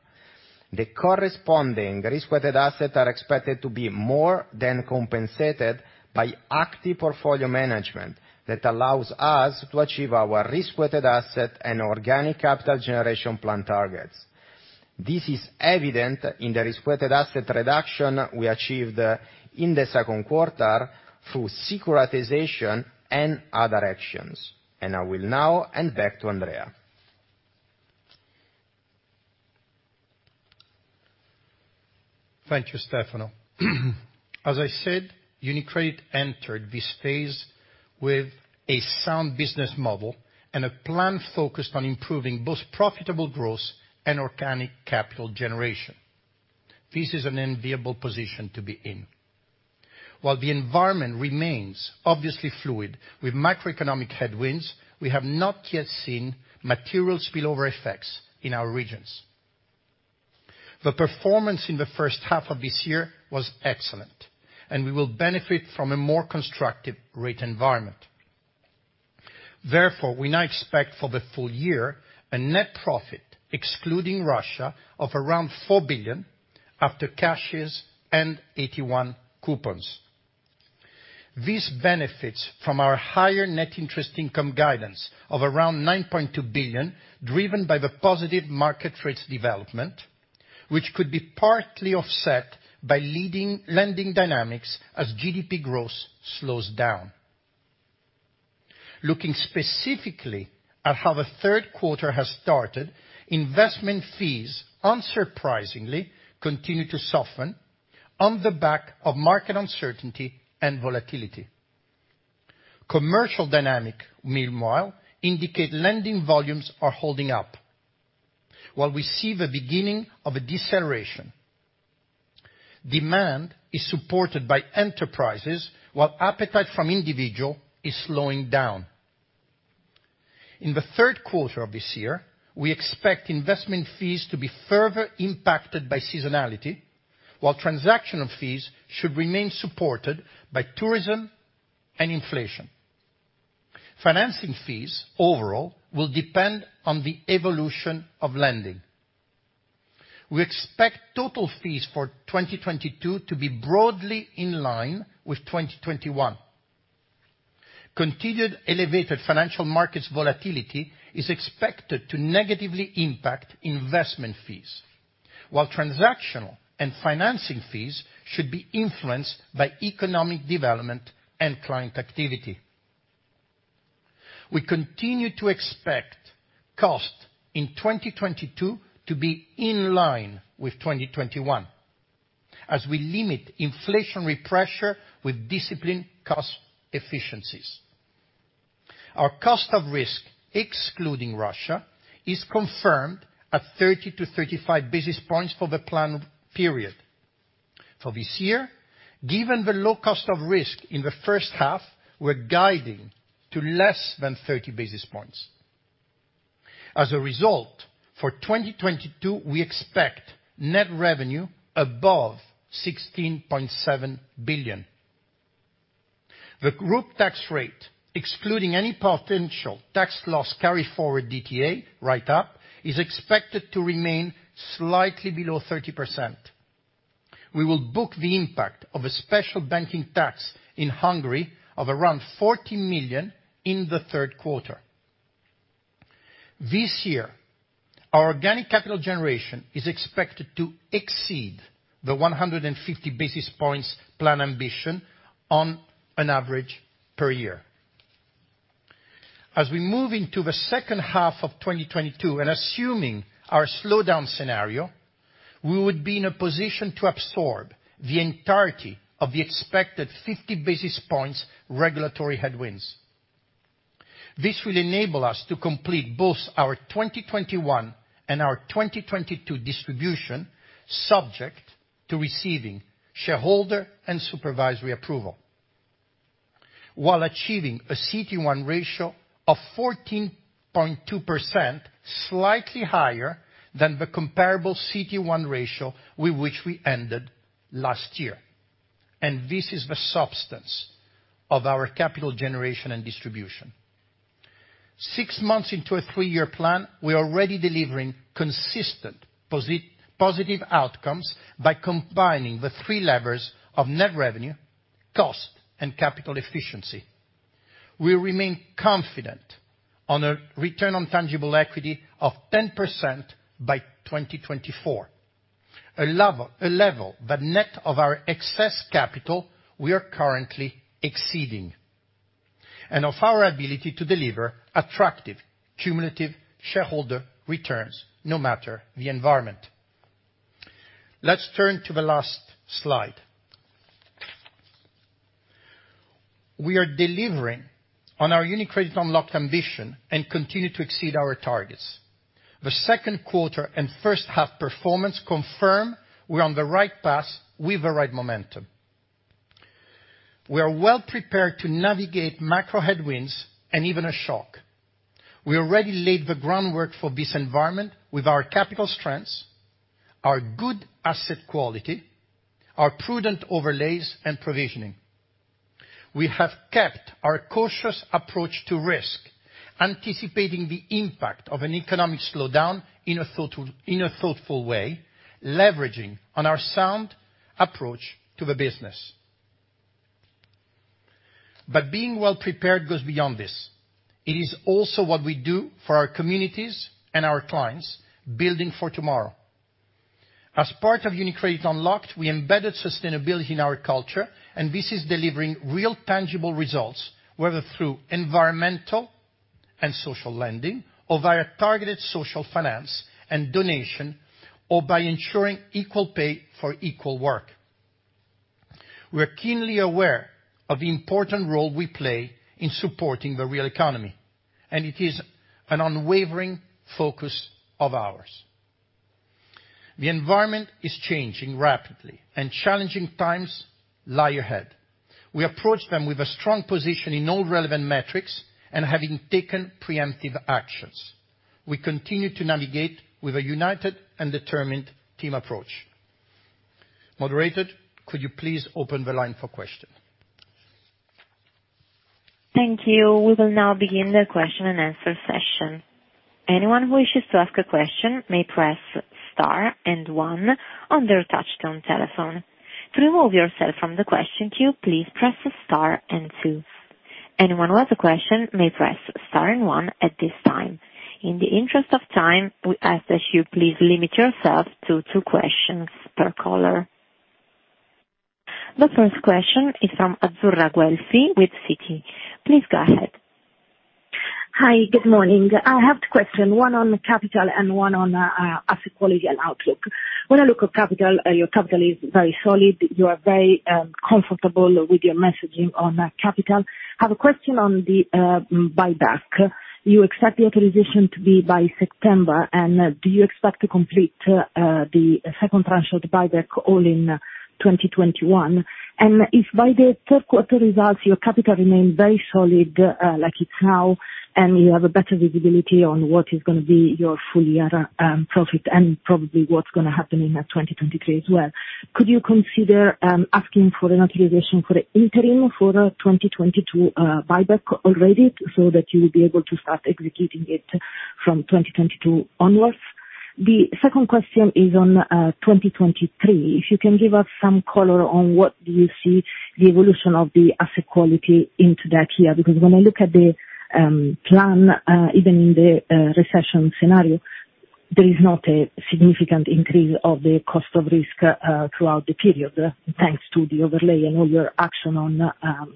The corresponding Risk-Weighted Assets are expected to be more than compensated by active portfolio management that allows us to achieve our Risk-Weighted Asset and Organic Capital Generation plan targets. This is evident in the Risk-Weighted Asset reduction we achieved in the second quarter through securitization and other actions. I will now hand back to Andrea. Thank you, Stefano. As I said, UniCredit entered this phase with a sound business model and a plan focused on improving both profitable growth and Organic Capital Generation. This is an enviable position to be in. While the environment remains obviously fluid with macroeconomic headwinds, we have not yet seen material spillover effects in our regions. The performance in the first half of this year was excellent, and we will benefit from a more constructive rate environment. Therefore, we now expect for the full year a net profit, excluding Russia, of around 4 billion after charges and AT1 coupons. These benefits from our higher Net Interest Income guidance of around 9.2 billion, driven by the positive market rates development, which could be partly offset by lending dynamics as GDP growth slows down. Looking specifically at how the third quarter has started, investment fees unsurprisingly continue to soften on the back of market uncertainty and volatility. Commercial dynamics, meanwhile, indicate lending volumes are holding up. While we see the beginning of a deceleration, demand is supported by enterprises while appetite from individuals is slowing down. In the third quarter of this year, we expect investment fees to be further impacted by seasonality, while transactional fees should remain supported by tourism and inflation. Financing fees overall will depend on the evolution of lending. We expect total fees for 2022 to be broadly in line with 2021. Continued elevated financial markets volatility is expected to negatively impact investment fees, while transactional and financing fees should be influenced by economic development and client activity. We continue to expect costs in 2022 to be in line with 2021 as we limit inflationary pressure with disciplined cost efficiencies. Our Cost of Risk, excluding Russia, is confirmed at 30-35 basis points for the plan period. For this year, given the low Cost of Risk in the first half, we're guiding to less than 30 basis points. As a result, for 2022, we expect net revenue above 16.7 billion. The group tax rate, excluding any potential tax loss carry forward DTA right up, is expected to remain slightly below 30%. We will book the impact of a special banking tax in Hungary of around 40 million in the third quarter. This year, our Organic Capital Generation is expected to exceed the 150 basis points plan ambition on an average per year. As we move into the second half of 2022 and assuming our slowdown scenario, we would be in a position to absorb the entirety of the expected 50 basis points regulatory headwinds. This will enable us to complete both our 2021 and our 2022 distribution, subject to receiving shareholder and supervisory approval, while achieving a CET1 ratio of 14.2%, slightly higher than the comparable CET1 ratio with which we ended last year. This is the substance of our capital generation and distribution. Six months into a three-year plan, we are already delivering consistent positive outcomes by combining the three levers of net revenue, cost, and capital efficiency. We remain confident on a Return on Tangible Equity of 10% by 2024. A level that net of our excess capital we are currently exceeding. Of our ability to deliver attractive cumulative shareholder returns no matter the environment. Let's turn to the last slide. We are delivering on our UniCredit Unlocked ambition and continue to exceed our targets. The second quarter and first half performance confirm we're on the right path with the right momentum. We are well prepared to navigate macro headwinds and even a shock. We already laid the groundwork for this environment with our capital strengths, our good asset quality, our prudent overlays and provisioning. We have kept our cautious approach to risk, anticipating the impact of an economic slowdown in a thoughtful way, leveraging on our sound approach to the business. Being well prepared goes beyond this. It is also what we do for our communities and our clients building for tomorrow. As part of UniCredit Unlocked, we embedded sustainability in our culture, and this is delivering real tangible results, whether through environmental and social lending or via targeted social finance and donation, or by ensuring equal pay for equal work. We are keenly aware of the important role we play in supporting the real economy, and it is an unwavering focus of ours. The environment is changing rapidly and challenging times lie ahead. We approach them with a strong position in all relevant metrics and having taken preemptive actions. We continue to navigate with a united and determined team approach. Moderator, could you please open the line for question? Thank you. We will now begin the question and answer session. Anyone who wishes to ask a question may press Star and One on their touchtone telephone. To remove yourself from the question queue, please press Star and Two. Anyone who has a question may press Star and One at this time. In the interest of time, we ask that you please limit yourself to two questions per caller. The first question is from Azzurra Guelfi with Citi. Please go ahead. Hi. Good morning. I have a question, one on capital and one on asset quality and outlook. When I look at capital, your capital is very solid. You are very comfortable with your messaging on capital. I have a question on the buyback. You expect the authorization to be by September. Do you expect to complete the second tranche of the buyback all in 2021? If by the third quarter results, your capital remains very solid, like it's now, and you have a better visibility on what is gonna be your full year profit and probably what's gonna happen in 2023 as well, could you consider asking for an authorization for the interim for the 2022 buyback already so that you will be able to start executing it from 2022 onwards? The second question is on 2023. If you can give us some color on what do you see the evolution of the asset quality into that year, because when I look at the plan, even in the recession scenario, there is not a significant increase of the Cost of Risk throughout the period, thanks to the overlay and all your action on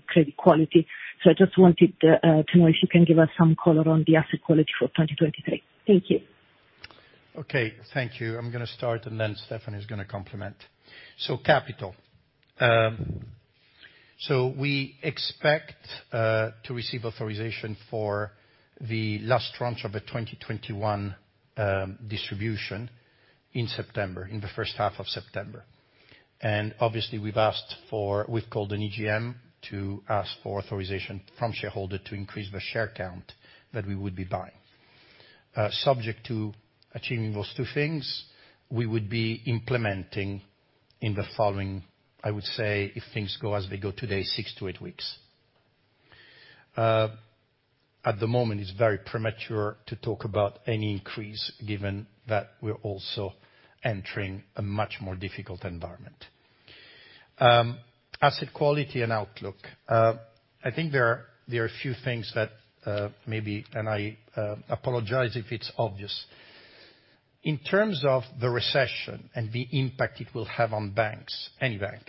credit quality. I just wanted to know if you can give us some color on the asset quality for 2023. Thank you. Okay, thank you. I'm gonna start, and then Stefano is gonna complement. Capital. We expect to receive authorization for the last tranche of the 2021 distribution in September, in the first half of September. Obviously we've called an EGM to ask for authorization from shareholder to increase the share count that we would be buying. Subject to achieving those two things, we would be implementing in the following, I would say, if things go as they go today, six to eight weeks. At the moment, it's very premature to talk about any increase given that we're also entering a much more difficult environment. Asset quality and outlook. I think there are a few things that maybe, and I apologize if it's obvious. In terms of the recession and the impact it will have on banks, any bank,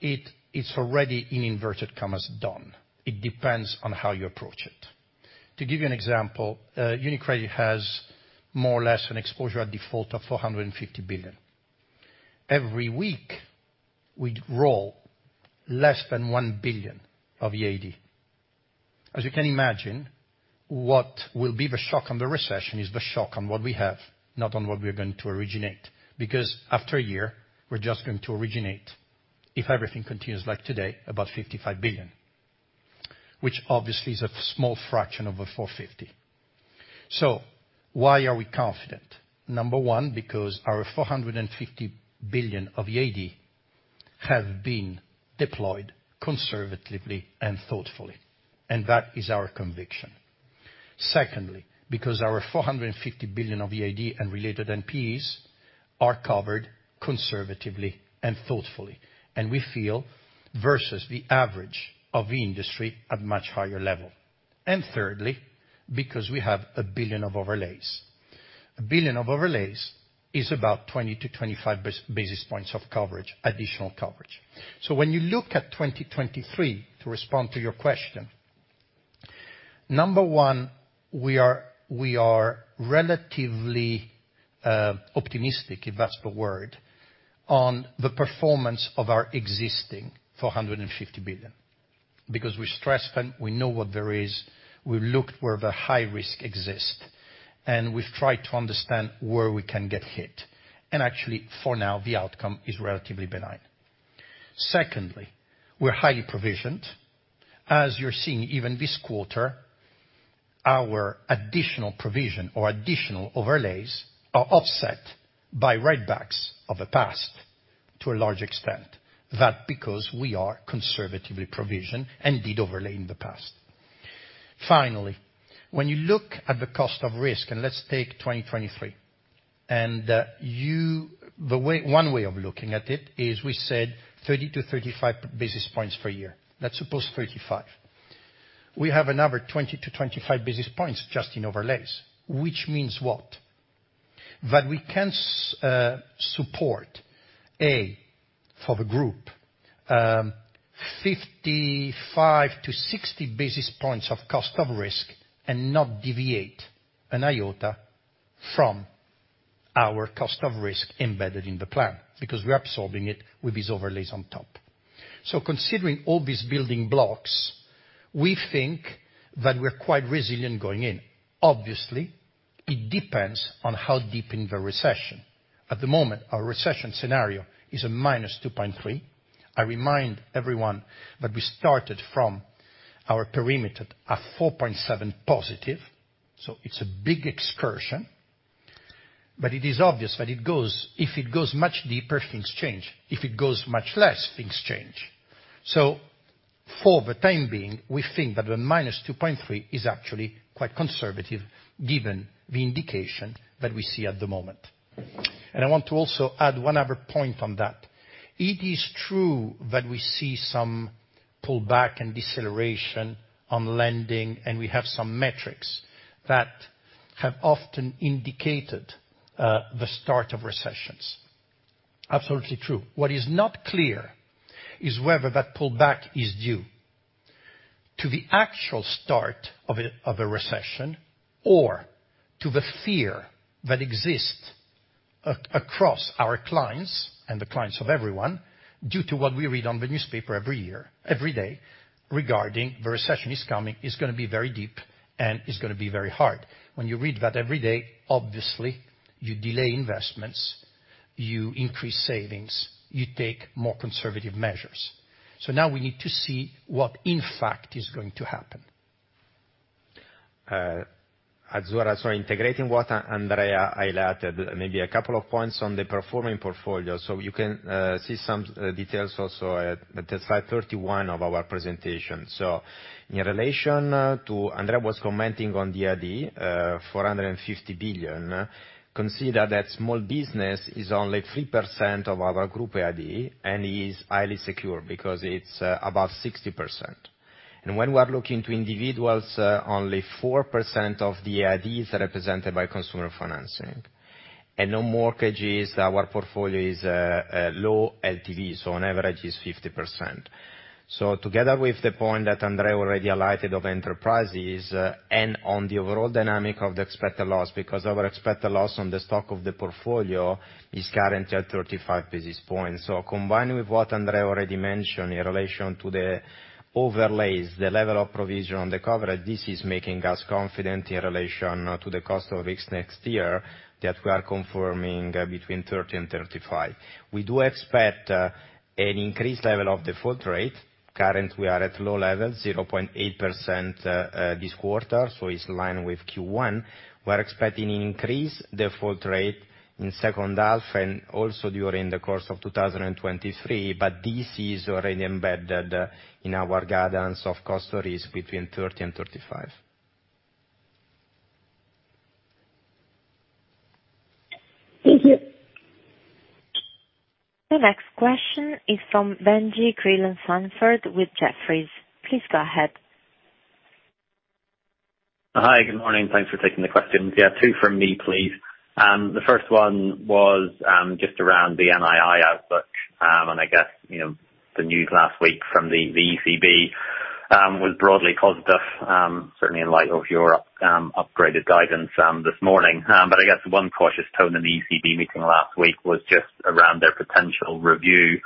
it is already in inverted commas done. It depends on how you approach it. To give you an example, UniCredit has more or less an exposure at default of 450 billion. Every week we roll less than 1 billion of EAD. As you can imagine, what will be the shock on the recession is the shock on what we have, not on what we are going to originate. Because after a year, we're just going to originate, if everything continues like today, about 55 billion, which obviously is a small fraction of the 450 billion. Why are we confident? Number one, because our 450 billion of EAD have been deployed conservatively and thoughtfully, and that is our conviction. Secondly, because our 450 billion of EAD and related NPEs are covered conservatively and thoughtfully, and we feel versus the average of the industry at much higher level. Thirdly, because we have a billion of overlays. A billion of overlays is about 20-25 basis points of coverage, additional coverage. When you look at 2023, to respond to your question, number one, we are relatively optimistic, if that's the word, on the performance of our existing 450 billion. Because we stress them, we know what there is, we've looked where the high risk exists, and we've tried to understand where we can get hit. Actually, for now, the outcome is relatively benign. Secondly, we're highly provisioned. As you're seeing even this quarter, our additional provision or additional overlays are offset by write backs of the past to a large extent. That's because we are conservatively provisioned and did overlay in the past. Finally, when you look at the Cost of Risk, and let's take 2023, one way of looking at it is we said 30-35 basis points per year. Let's suppose 35. We have another 20-25 basis points just in overlays. Which means what? That we can support, A, for the group, 55-60 basis points of Cost of Risk and not deviate an iota from our Cost of Risk embedded in the plan, because we are absorbing it with these overlays on top. Considering all these building blocks, we think that we're quite resilient going in. Obviously, it depends on how deep in the recession. At the moment, our recession scenario is a -2.3%. I remind everyone that we started from our perimeter at +4.7%, so it's a big excursion. It is obvious that it goes, if it goes much deeper, things change. If it goes much less, things change. For the time being, we think that a -2.3% is actually quite conservative given the indication that we see at the moment. I want to also add one other point on that. It is true that we see some pullback and deceleration on lending, and we have some metrics that have often indicated the start of recessions. Absolutely true. What is not clear is whether that pullback is due to the actual start of a recession or to the fear that exists across our clients and the clients of everyone, due to what we read in the newspaper every year, every day regarding the recession is coming, it's gonna be very deep, and it's gonna be very hard. When you read that every day, obviously, you delay investments, you increase savings, you take more conservative measures. Now we need to see what in fact is going to happen. Azzurra, integrating what Andrea highlighted, maybe a couple of points on the performing portfolio. You can see some details also at slide 31 of our presentation. In relation to what Andrea was commenting on the EAD 450 billion, consider that small business is only 3% of our group EAD and is highly secure because it's about 60%. When we're looking at individuals, only 4% of the EAD is represented by consumer financing. On mortgages, our portfolio is low LTV, so on average 50%. Together with the point that Andrea already highlighted of enterprises, and on the overall dynamic of the expected loss, because our expected loss on the stock of the portfolio is currently 35 basis points. Combined with what Andrea already mentioned in relation to the overlays, the level of provision on the coverage, this is making us confident in relation to the Cost of Risk next year that we are confirming between 30 and 35. We do expect an increased level of default rate. Currently, we are at low levels, 0.8%, this quarter, so it's in line with Q1. We're expecting an increased default rate in second half and also during the course of 2023, but this is already embedded in our guidance Cost of Risk between 30 and 35. Thank you. The next question is from Benjie Creelan-Sandford with Jefferies. Please go ahead. Hi, good morning. Thanks for taking the questions. Yeah, two from me, please. The first one was just around the NII outlook, and I guess, you know, the news last week from the ECB was broadly positive, certainly in light of your upgraded guidance this morning. I guess one cautious tone in the ECB meeting last week was just around their potential review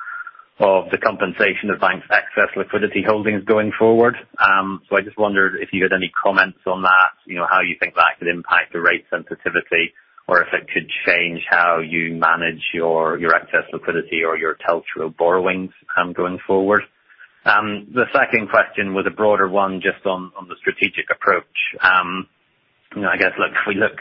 of the compensation of bank's excess liquidity holdings going forward. I just wondered if you had any comments on that, you know, how you think that could impact the rate sensitivity or if it could change how you manage your excess liquidity or your TLTRO borrowings going forward. The second question was a broader one just on the strategic approach. You know, I guess, look, if we look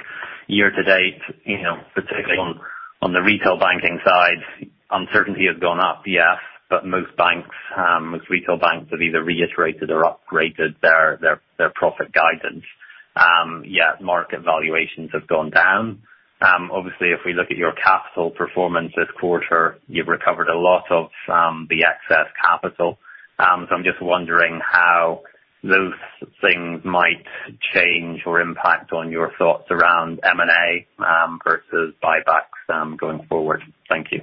year to date, you know, particularly on the retail banking side, uncertainty has gone up, yes, but most banks, most retail banks have either reiterated or upgraded their profit guidance. Yet market valuations have gone down. Obviously, if we look at your capital performance this quarter, you've recovered a lot of the excess capital. So I'm just wondering how those things might change or impact on your thoughts around M&A versus buybacks going forward. Thank you.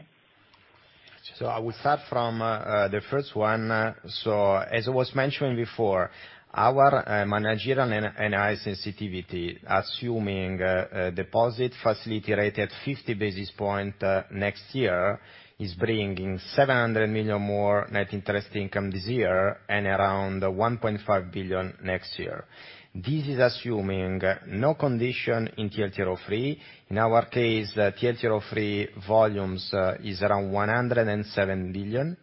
I will start from the first one. As it was mentioned before, our managerial analysis sensitivity, assuming a deposit facility rate at fifty basis point next year, is bringing 700 million more Net Interest Income this year and around 1.5 billion next year. This is assuming no condition in TLTRO III. In our case, the TLTRO III volumes is around 107 billion.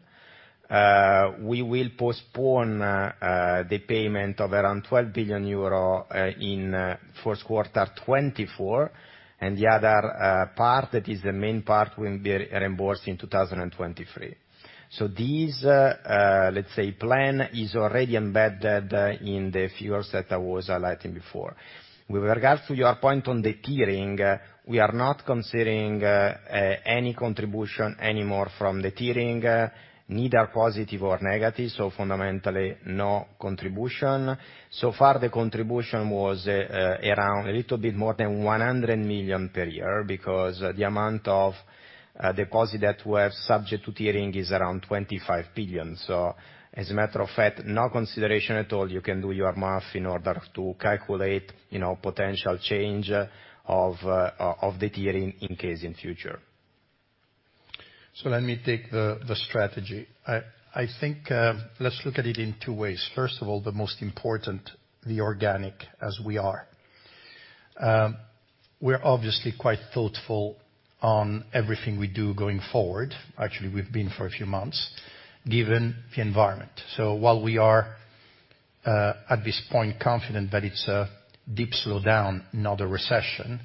We will postpone the payment of around 12 billion euro in first quarter 2024. The other part, that is the main part, will be reimbursed in 2023. This, let's say, plan is already embedded in the figures that I was highlighting before. With regards to your point on the tiering, we are not considering any contribution anymore from the tiering, neither positive or negative, so fundamentally no contribution. So far, the contribution was around a little bit more than 100 million per year because the amount of deposits that were subject to tiering is around 25 billion. So as a matter of fact, no consideration at all. You can do your math in order to calculate, you know, potential change of the tiering in case in future. Let me take the strategy. I think, let's look at it in two ways. First of all, the most important, the organic as we are. We're obviously quite thoughtful on everything we do going forward. Actually, we've been for a few months, given the environment. While we are at this point confident that it's a deep slowdown, not a recession,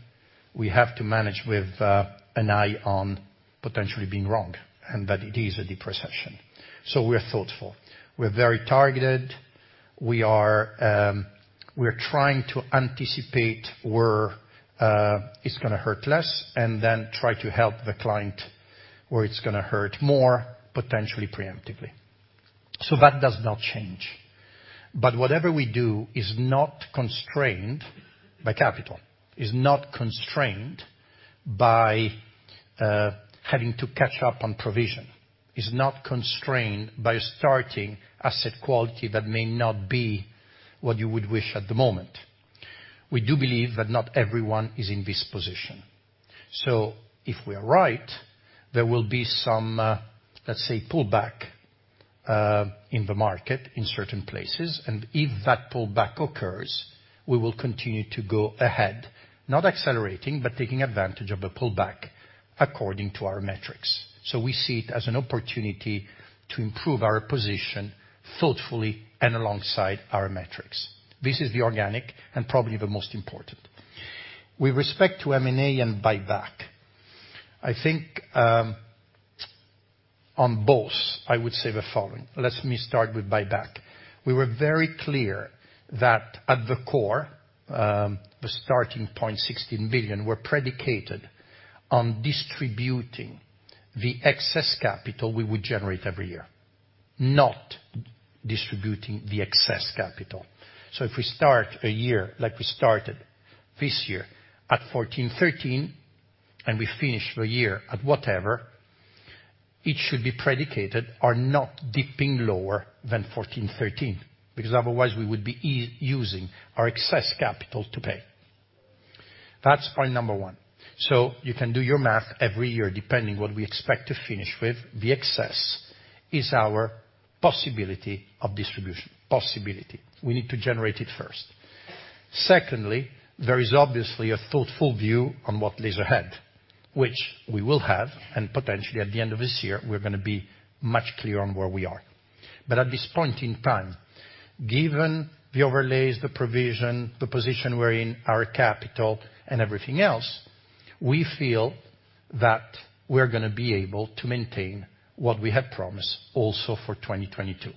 we have to manage with an eye on potentially being wrong and that it is a deep recession. We're thoughtful. We're very targeted. We are trying to anticipate where it's gonna hurt less, and then try to help the client where it's gonna hurt more, potentially preemptively. That does not change. Whatever we do is not constrained by capital, is not constrained by having to catch up on provision, is not constrained by starting asset quality that may not be what you would wish at the moment. We do believe that not everyone is in this position. If we are right, there will be some, let's say, pullback in the market in certain places, and if that pullback occurs, we will continue to go ahead. Not accelerating, but taking advantage of a pullback according to our metrics. We see it as an opportunity to improve our position thoughtfully and alongside our metrics. This is the organic and probably the most important. With respect to M&A and buyback, I think on both, I would say the following. Let me start with buyback. We were very clear that at the core, the starting point 16 billion were predicated on distributing the excess capital we would generate every year, not distributing the excess capital. If we start a year, like we started this year at 14.13%, and we finish the year at whatever, it should be predicated on not dipping lower than 14.13%, because otherwise we would be using our excess capital to pay. That's point number one. You can do your math every year, depending what we expect to finish with, the excess is our possibility of distribution. Possibility. We need to generate it first. Secondly, there is obviously a thoughtful view on what lies ahead, which we will have, and potentially at the end of this year, we're gonna be much clearer on where we are. At this point in time, given the overlays, the provision, the position we're in, our capital and everything else, we feel that we're gonna be able to maintain what we had promised also for 2022.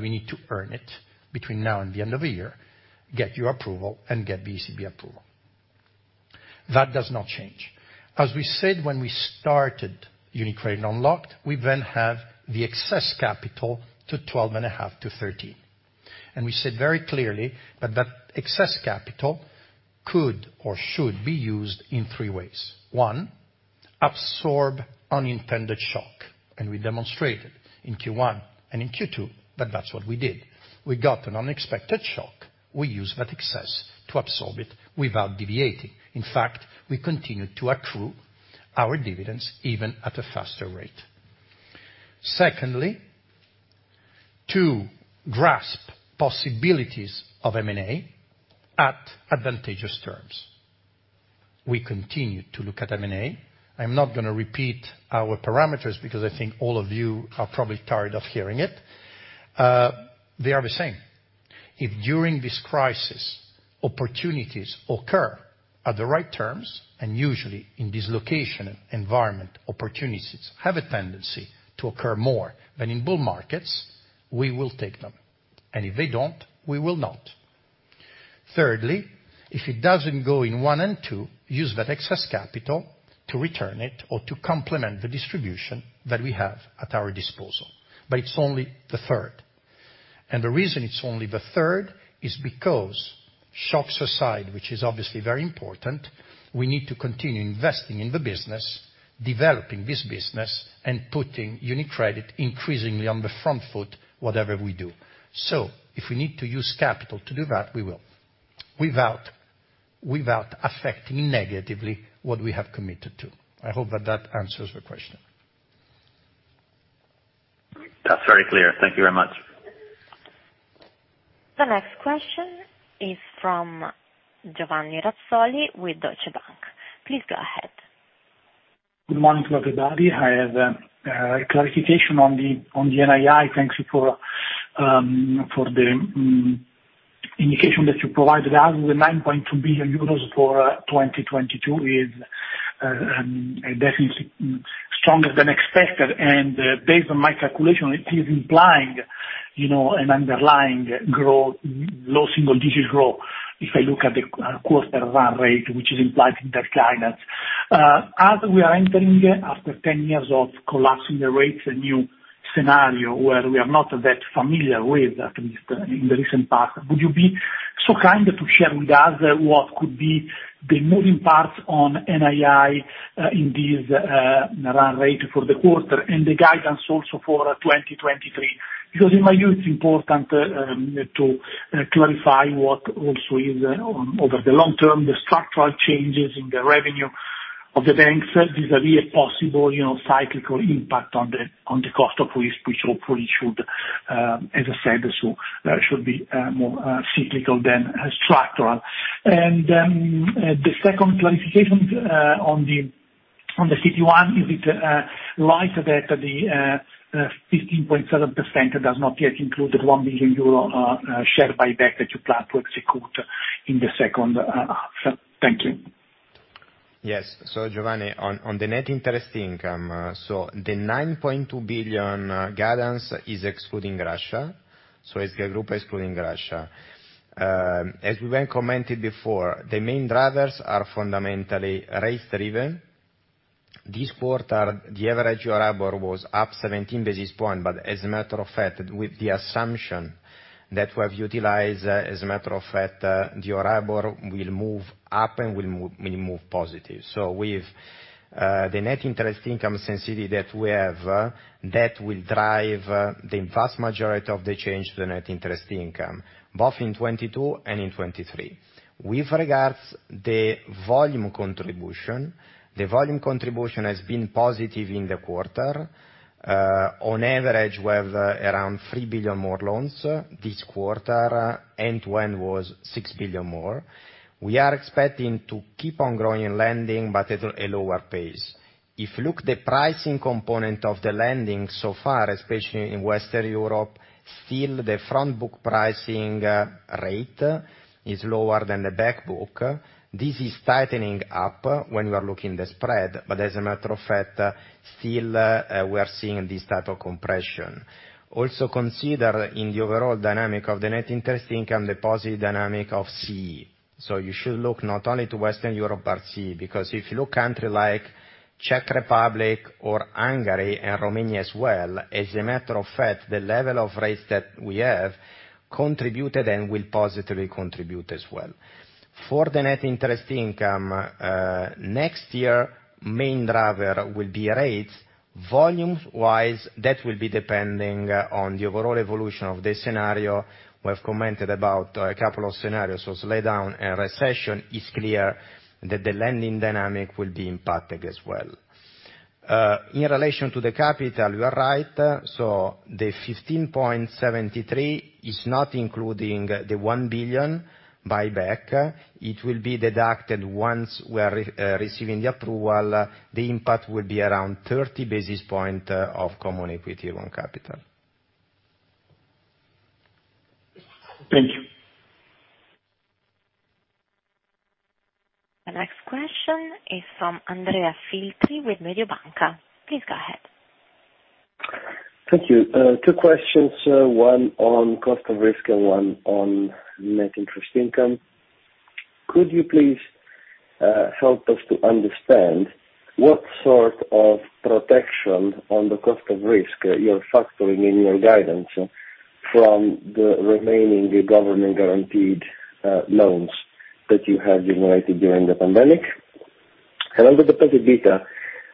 We need to earn it between now and the end of the year, get your approval and get ECB approval. That does not change. As we said when we started UniCredit Unlocked, we then have the excess capital to 12.5%-13%. We said very clearly that that excess capital could or should be used in three ways. One, absorb unintended shock. We demonstrated in Q1 and in Q2 that that's what we did. We got an unexpected shock, we used that excess to absorb it without deviating. In fact, we continued to accrue our dividends even at a faster rate. Secondly, to grasp possibilities of M&A at advantageous terms. We continue to look at M&A. I'm not gonna repeat our parameters because I think all of you are probably tired of hearing it. They are the same. If during this crisis opportunities occur at the right terms, and usually in this dislocation environment, opportunities have a tendency to occur more than in bull markets, we will take them, and if they don't, we will not. Thirdly, if it doesn't go in one and two, use that excess capital to return it or to complement the distribution that we have at our disposal. It's only the third. The reason it's only the third is because shocks aside, which is obviously very important, we need to continue investing in the business, developing this business, and putting UniCredit increasingly on the front foot, whatever we do. If we need to use capital to do that, we will, without affecting negatively what we have committed to. I hope that that answers the question. That's very clear. Thank you very much. The next question is from Giovanni Razzoli with Deutsche Bank. Please go ahead. Good morning to everybody. I have clarification on the NII. Thank you for the indication that you provided us with 9.2 billion euros for 2022 is definitely stronger than expected. Based on my calculation, it is implying, you know, an underlying growth, low single digit growth if I look at the quarter run rate, which is implied in that guidance. As we are entering after 10 years of collapsing the rates, a new scenario where we are not that familiar with, at least in the recent past, would you be so kind to share with us what could be the moving parts on NII in this run rate for the quarter and the guidance also for 2023? Because in my view, it's important to clarify what also is over the long term, the structural changes in the revenue of the bank. These are really possible, you know, cyclical impacts on the costs, which hopefully should, as I said, be more cyclical than structural. The second clarification on the CET1 is that the 15.7% does not yet include the 1 billion euro share buyback that you plan to execute in the second half. Thank you. Yes. Giovanni, on the Net Interest Income, the 9.2 billion guidance is excluding Russia, so it's the group excluding Russia. As we well commented before, the main drivers are fundamentally rate-driven. This quarter, the average Euribor was up 17 basis points, but as a matter of fact, with the assumption that we have utilized, as a matter of fact, the Euribor will move up and will move positive. With the Net Interest Income sensitivity that we have, that will drive the vast majority of the change to the Net Interest Income, both in 2022 and in 2023. With regards to the volume contribution, the volume contribution has been positive in the quarter. On average, we have around 3 billion more loans this quarter, in 1Q was 6 billion more. We are expecting to keep on growing and lending, but at a lower pace. If you look at the pricing component of the lending so far, especially in Western Europe, still the front book pricing rate is lower than the back book. This is tightening up when you are looking at the spread, but as a matter of fact, still we are seeing this type of compression. Also consider in the overall dynamic of the Net Interest Income, the positive dynamic of CE. You should look not only to Western Europe, but CE, because if you look at countries like Czech Republic or Hungary and Romania as well, as a matter of fact, the level of rates that we have contributed and will positively contribute as well. For the Net Interest Income next year, main driver will be rates. Volume-wise, that will be depending on the overall evolution of the scenario. We have commented about a couple of scenarios, slow down and recession is clear that the lending dynamic will be impacted as well. In relation to the capital, you are right. The 15.73% is not including the 1 billion buyback. It will be deducted once we are receiving the approval. The impact will be around 30 basis points of Common Equity Tier 1 capital. Thank you. The next question is from Andrea Filtri with Mediobanca. Please go ahead. Thank you. Two questions, one on Cost of Risk and one on Net Interest Income. Could you please help us to understand what sort of protection on the Cost of Risk you're factoring in your guidance from the remaining government guaranteed loans that you have generated during the pandemic? Under deposit beta,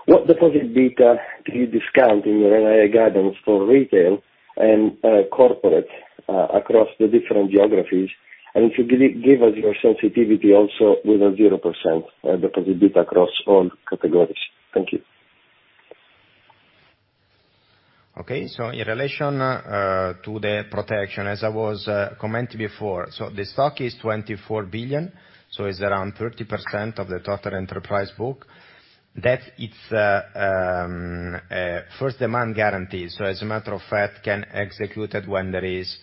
what deposit beta do you discount in your NII guidance for retail and corporate across the different geographies? If you give us your sensitivity also with a 0% deposit beta across all categories. Thank you. Okay. In relation to the protection, as I was commenting before. The stock is 24 billion, so it's around 30% of the total enterprise book. That it's first demand guarantee, so as a matter of fact, can execute it when there is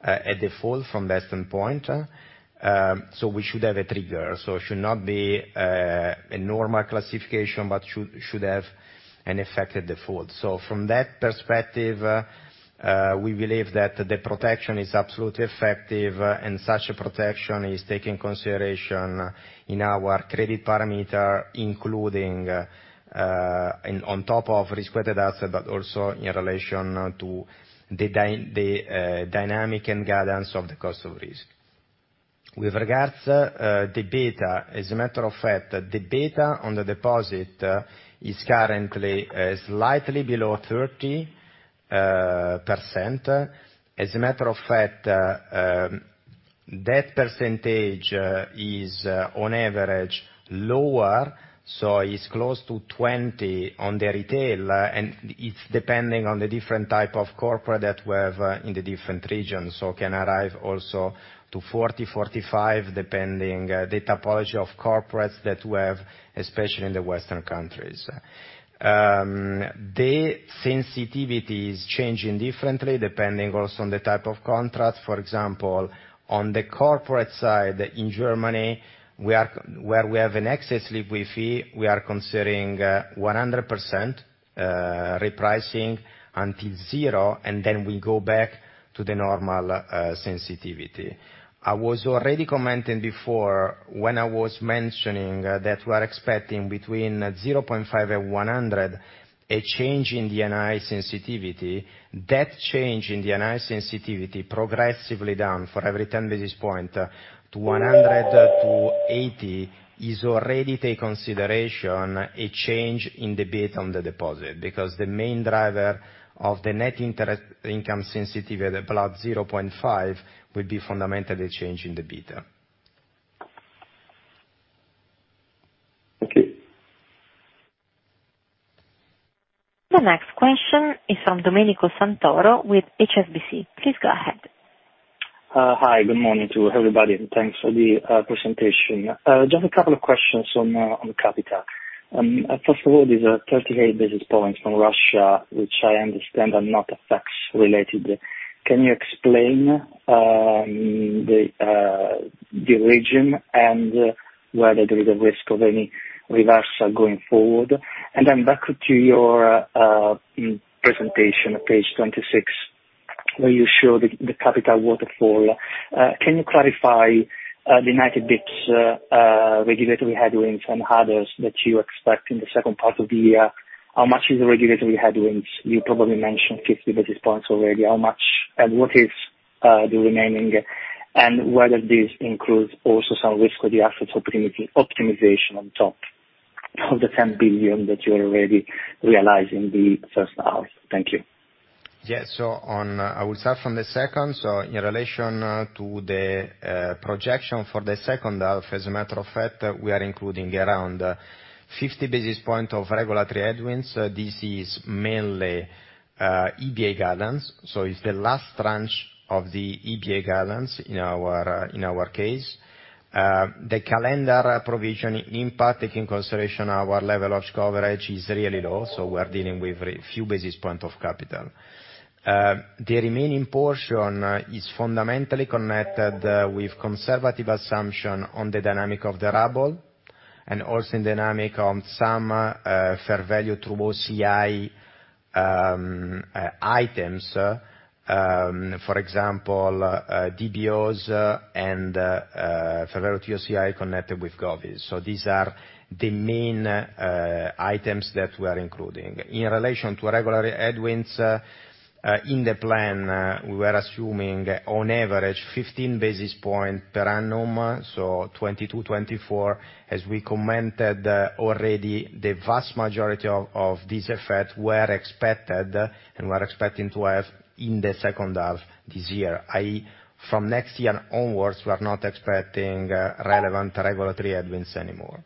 a default from that standpoint. We should have a trigger. It should not be a normal classification, but should have an affected default. From that perspective, we believe that the protection is absolutely effective, and such a protection is taken into consideration in our credit parameter, including in, on top of Risk-Weighted Asset, but also in relation to the dynamic and guidance of the Cost of Risk. With regards to the beta, as a matter of fact, the beta on the deposit is currently slightly below 30%. As a matter of fact, that percentage is on average lower, so it's close to 20% on the retail, and it's depending on the different type of corporate that we have in the different regions. It can arrive also to 40%, 45,% depending the typology of corporates that we have, especially in the Western countries. The sensitivity is changing differently depending also on the type of contract. For example, on the corporate side in Germany, where we have an excess liquidity, we are considering 100% repricing until zero, and then we go back to the normal sensitivity. I was already commenting before when I was mentioning that we're expecting between 0.5 and 100, a change in the NII sensitivity. That change in the NII sensitivity progressively down for every 10 basis points to 100 to 80 has already taken into consideration a change in the beta of the deposit. Because the main driver of the Net Interest Income sensitivity at about 0.5 will be fundamentally changing the beta. Thank you. The next question is from Domenico Santoro with HSBC. Please go ahead. Hi, good morning to everybody, and thanks for the presentation. Just a couple of questions on capital. First of all, these are 38 basis points from Russia, which I understand are not FX related. Can you explain the reasoning and whether there is a risk of any reversal going forward? Back to your presentation on page 26, where you show the capital waterfall. Can you clarify the unit-based regulatory headwinds and others that you expect in the second part of the year? How much is the regulatory headwinds? You probably mentioned 50 basis points already. How much and what is the remaining? Whether this includes also some risk-adjusted optimization on top of the 10 billion that you're already realizing the first half. Thank you. Yeah. On, I will start from the second. In relation to the projection for the second half, as a matter of fact, we are including around 50 basis points of regulatory headwinds. This is mainly EBA guidance, so it's the last tranche of the EBA guidance in our case. The calendar provision impact, taking into consideration our level of coverage, is really low, so we're dealing with very few basis points of capital. The remaining portion is fundamentally connected with conservative assumption on the dynamic of the ruble and also the dynamic on some fair value through OCI items, for example, DBOs and fair value OCI connected with Govies. These are the main items that we are including. In relation to regulatory headwinds, in the plan, we are assuming on average 15 basis points per annum, so 2022, 2024. As we commented already, the vast majority of this effect were expected and we're expecting to have in the second half this year. From next year onwards, we are not expecting relevant regulatory headwinds anymore.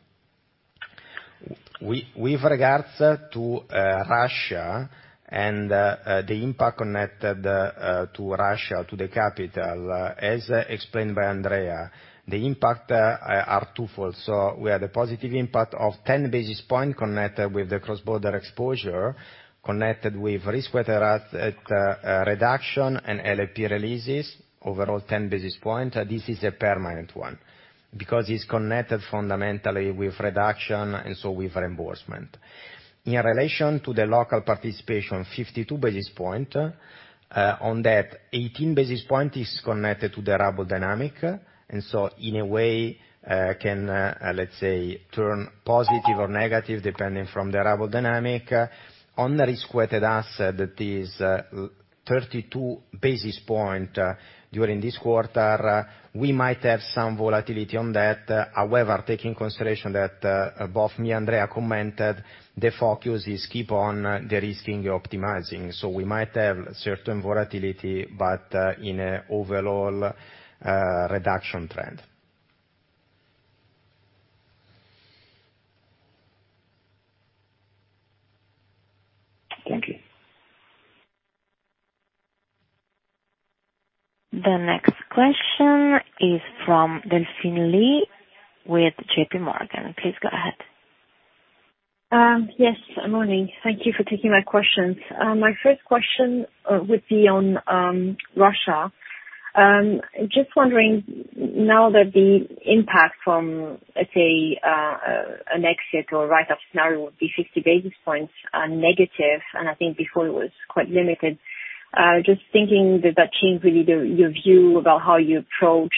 We with regards to Russia and the impact connected to Russia to the capital, as explained by Andrea, the impact are twofold. We have the positive impact of 10 basis points connected with the cross-border exposure, connected with Risk-Weighted Asset reduction and LLP releases, overall 10 basis points. This is a permanent one because it's connected fundamentally with reduction and so with reimbursement. In relation to the local participation, 52 basis points. On that, 18 basis points is connected to the ruble dynamic. In a way, can, let's say, turn positive or negative depending on the ruble dynamic. On the Risk-Weighted Asset, that is, 32 basis points, during this quarter, we might have some volatility on that. However, taking into consideration that, both me and Andrea commented, the focus is keep on de-risking optimizing. We might have certain volatility, but, in an overall, reduction trend. Thank you. The next question is from Delphine Lee with JPMorgan. Please go ahead. Yes, morning. Thank you for taking my questions. My first question would be on Russia. Just wondering now that the impact from, let's say, an exit or write-off scenario would be 60 basis points negative, and I think before it was quite limited, just thinking did that change really your view about how you approach,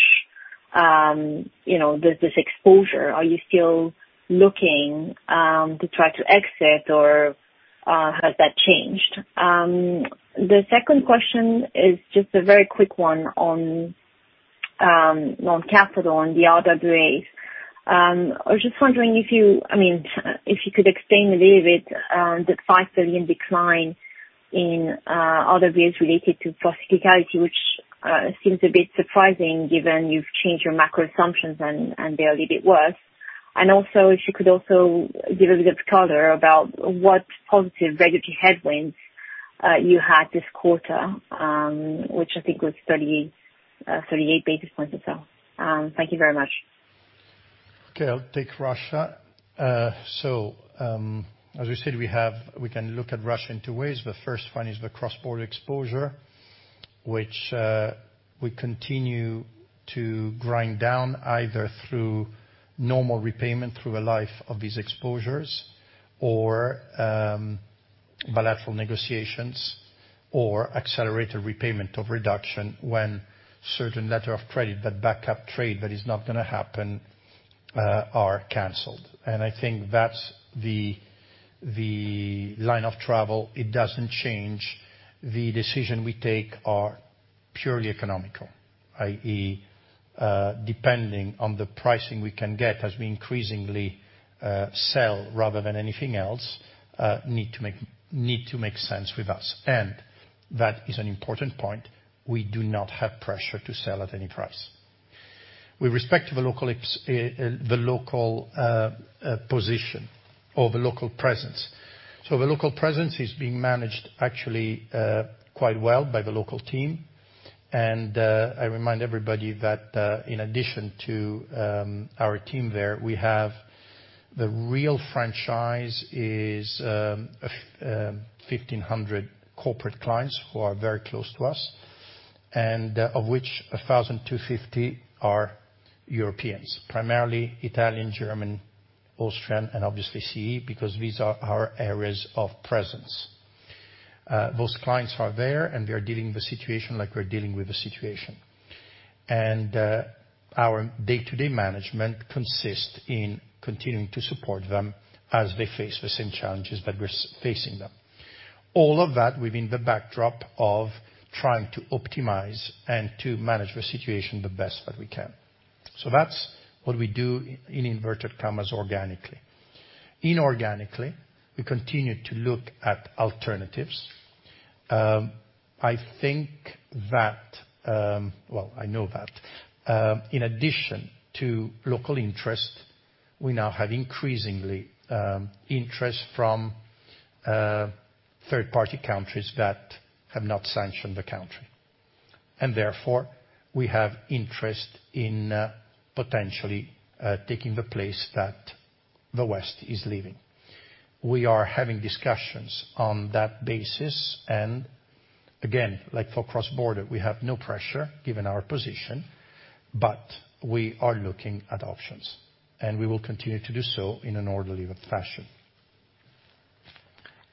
you know, this exposure. Are you still looking to try to exit or has that changed? The second question is just a very quick one on capital, on the RWAs. I was just wondering if you I mean, if you could explain a little bit the 5 billion decline in RWAs related to procyclicality, which seems a bit surprising given you've changed your macro assumptions and they are a little bit worse. Also, if you could also give a little bit of color about what positive regulatory tailwinds you had this quarter, which I think was 38 basis points or so. Thank you very much. Okay. I'll take Russia. As we said, we can look at Russia in two ways. The first one is the cross-border exposure, which we continue to grind down either through normal repayment through the life of these exposures or bilateral negotiations or accelerated repayment or reduction when certain letters of credit that back up trade that is not gonna happen are canceled. I think that's the line of travel. It doesn't change. The decision we take are purely economical, i.e., depending on the pricing we can get as we increasingly sell rather than anything else need to make sense with us. That is an important point. We do not have pressure to sell at any price. We respect the local position or the local presence. The local presence is being managed actually, quite well by the local team. I remind everybody that, in addition to our team there, we have the real franchise is 1,500 corporate clients who are very close to us, and of which 1,250 are Europeans, primarily Italian, German, Austrian, and obviously CE, because these are our areas of presence. Those clients are there, and they are dealing with the situation like we're dealing with the situation. Our day-to-day management consists in continuing to support them as they face the same challenges that we're facing them. All of that within the backdrop of trying to optimize and to manage the situation the best that we can. That's what we do, in inverted commas, organically. Inorganically, we continue to look at alternatives. Well, I know that in addition to local interest, we now have increasingly interest from third-party countries that have not sanctioned the country, and therefore we have interest in potentially taking the place that the West is leaving. We are having discussions on that basis, and again, like for cross-border, we have no pressure given our position, but we are looking at options, and we will continue to do so in an orderly fashion.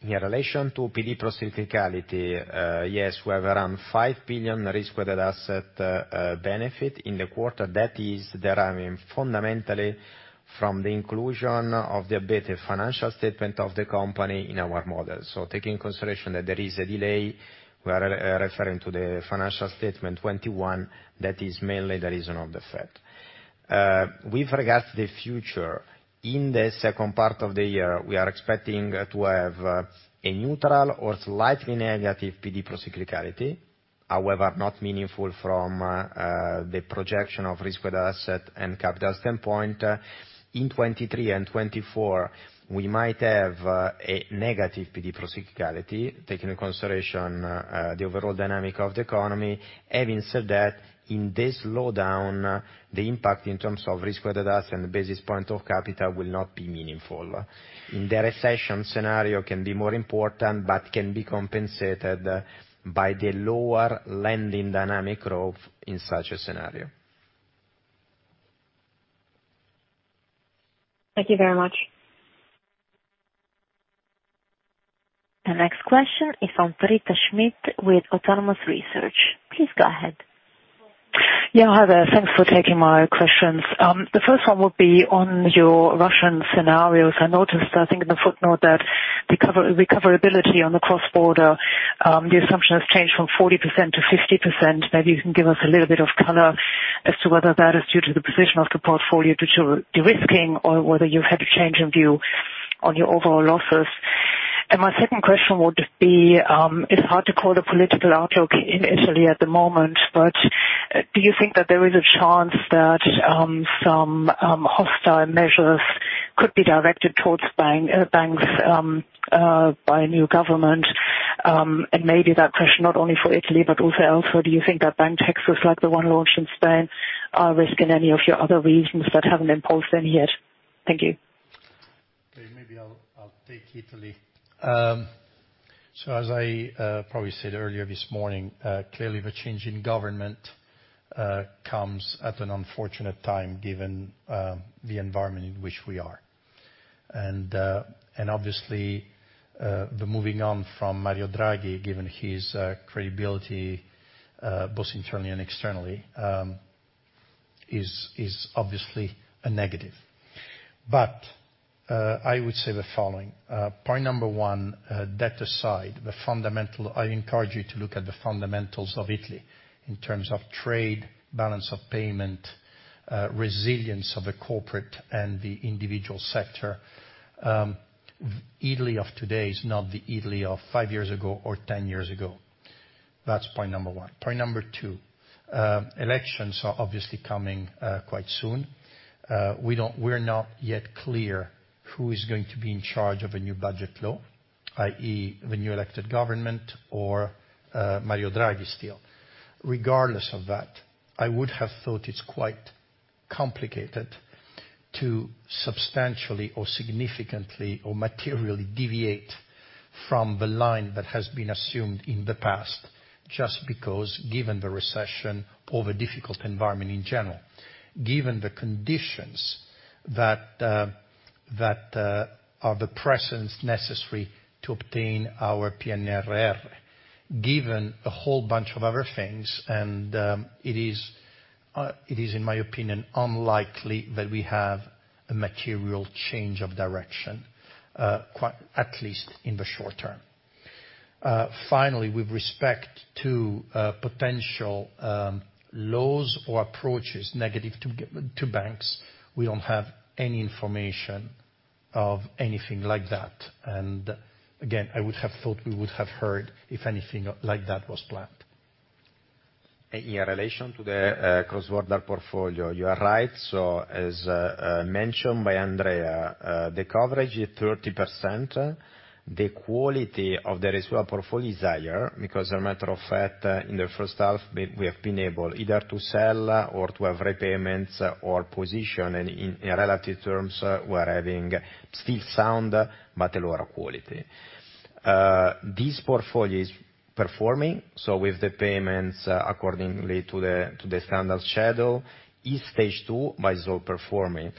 In relation to PD procyclicality, yes, we have around 5 billion Risk-Weighted Assets benefit in the quarter. That is deriving fundamentally from the inclusion of the updated financial statement of the company in our model. Taking into consideration that there is a delay, we are referring to the financial statement 2021, that is mainly the reason of the effect. With regards to the future, in the second part of the year, we are expecting to have a neutral or slightly negative PD procyclicality, however, not meaningful from the projection of Risk-Weighted Assets and capital standpoint. In 2023 and 2024, we might have a negative PD procyclicality, taking into consideration the overall dynamic of the economy. Having said that, in this slowdown, the impact in terms of Risk-Weighted Assets and the basis points of capital will not be meaningful. In the recession scenario can be more important, but can be compensated by the lower lending dynamic growth in such a scenario. Thank you very much. The next question is from Britta Schmidt with Autonomous Research. Please go ahead. Yeah. Hi there thanks for taking my questions. The first one would be on your Russian scenarios. I noticed, I think in the footnote that recoverability on the cross-border, the assumption has changed from 40%-50%. Maybe you can give us a little bit of color as to whether that is due to the position of the portfolio due to de-risking or whether you've had a change in view on your overall losses. My second question would be, it's hard to call the political outlook in Italy at the moment, but do you think that there is a chance that some hostile measures could be directed towards buying banks by a new government, and maybe that question not only for Italy but also elsewhere. Do you think that bank taxes like the one launched in Spain are risking any of your other regions that haven't imposed any yet? Thank you. Okay. Maybe I'll take Italy. As I probably said earlier this morning, clearly the change in government comes at an unfortunate time given the environment in which we are. Obviously, the moving on from Mario Draghi, given his credibility both internally and externally, is obviously a negative. I would say the following. Point number one, debt aside, I encourage you to look at the fundamentals of Italy in terms of trade, balance of payments, resilience of the corporate and the individual sector. Italy of today is not the Italy of five years ago or 10 years ago. That's point number one. Point number two, elections are obviously coming quite soon. We're not yet clear who is going to be in charge of a new budget law, i.e., the new elected government or Mario Draghi still. Regardless of that, I would have thought it's quite complicated to substantially or significantly or materially deviate from the line that has been assumed in the past, just because given the recession or the difficult environment in general. Given the conditions that are the presence necessary to obtain our PNRR, given a whole bunch of other things, and it is, in my opinion, unlikely that we have a material change of direction, at least in the short term. Finally, with respect to potential laws or approaches negative to banks, we don't have any information of anything like that. I would have thought we would have heard if anything like that was planned. In relation to the cross-border portfolio, you are right. As mentioned by Andrea, the coverage is 30%. The quality of the receivable portfolio is higher because as a matter of fact, in the first half we have been able either to sell or to have repayments or position, and in relative terms, we're having still sound but a lower quality. This portfolio is performing, so with the payments accordingly to the standard schedule, is stage two, but it's all performing.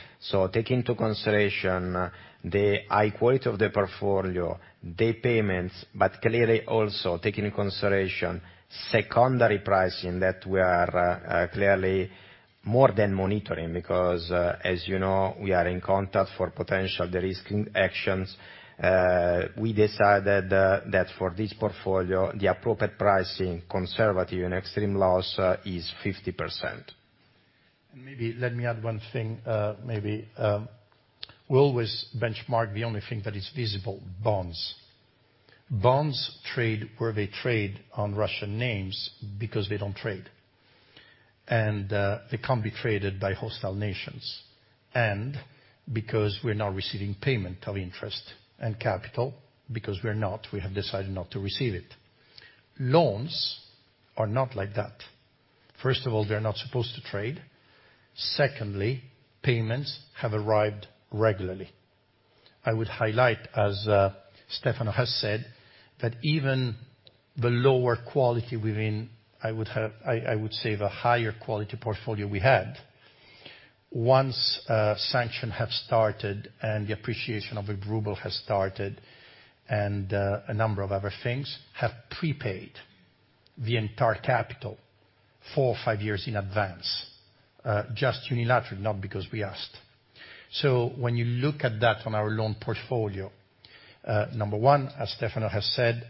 Take into consideration the high quality of the portfolio, the payments, but clearly also take into consideration secondary pricing that we are clearly more than monitoring because, as you know, we are in contact for potential derisking actions. We decided that for this portfolio the appropriate pricing, conservative and extreme loss, is 50%. Maybe let me add one thing, we always benchmark the only thing that is visible, bonds. Bonds trade where they trade on Russian names because they don't trade. They can't be traded by hostile nations. Because we're not receiving payment of interest and capital, we have decided not to receive it. Loans are not like that. First of all, they're not supposed to trade. Secondly, payments have arrived regularly. I would highlight, as Stefano has said, that even the lower quality within, I would say the higher quality portfolio we had, once sanctions have started and the appreciation of the ruble has started and a number of other things have prepaid the entire capital four or five years in advance, just unilaterally, not because we asked. When you look at that on our loan portfolio, number one, as Stefano has said,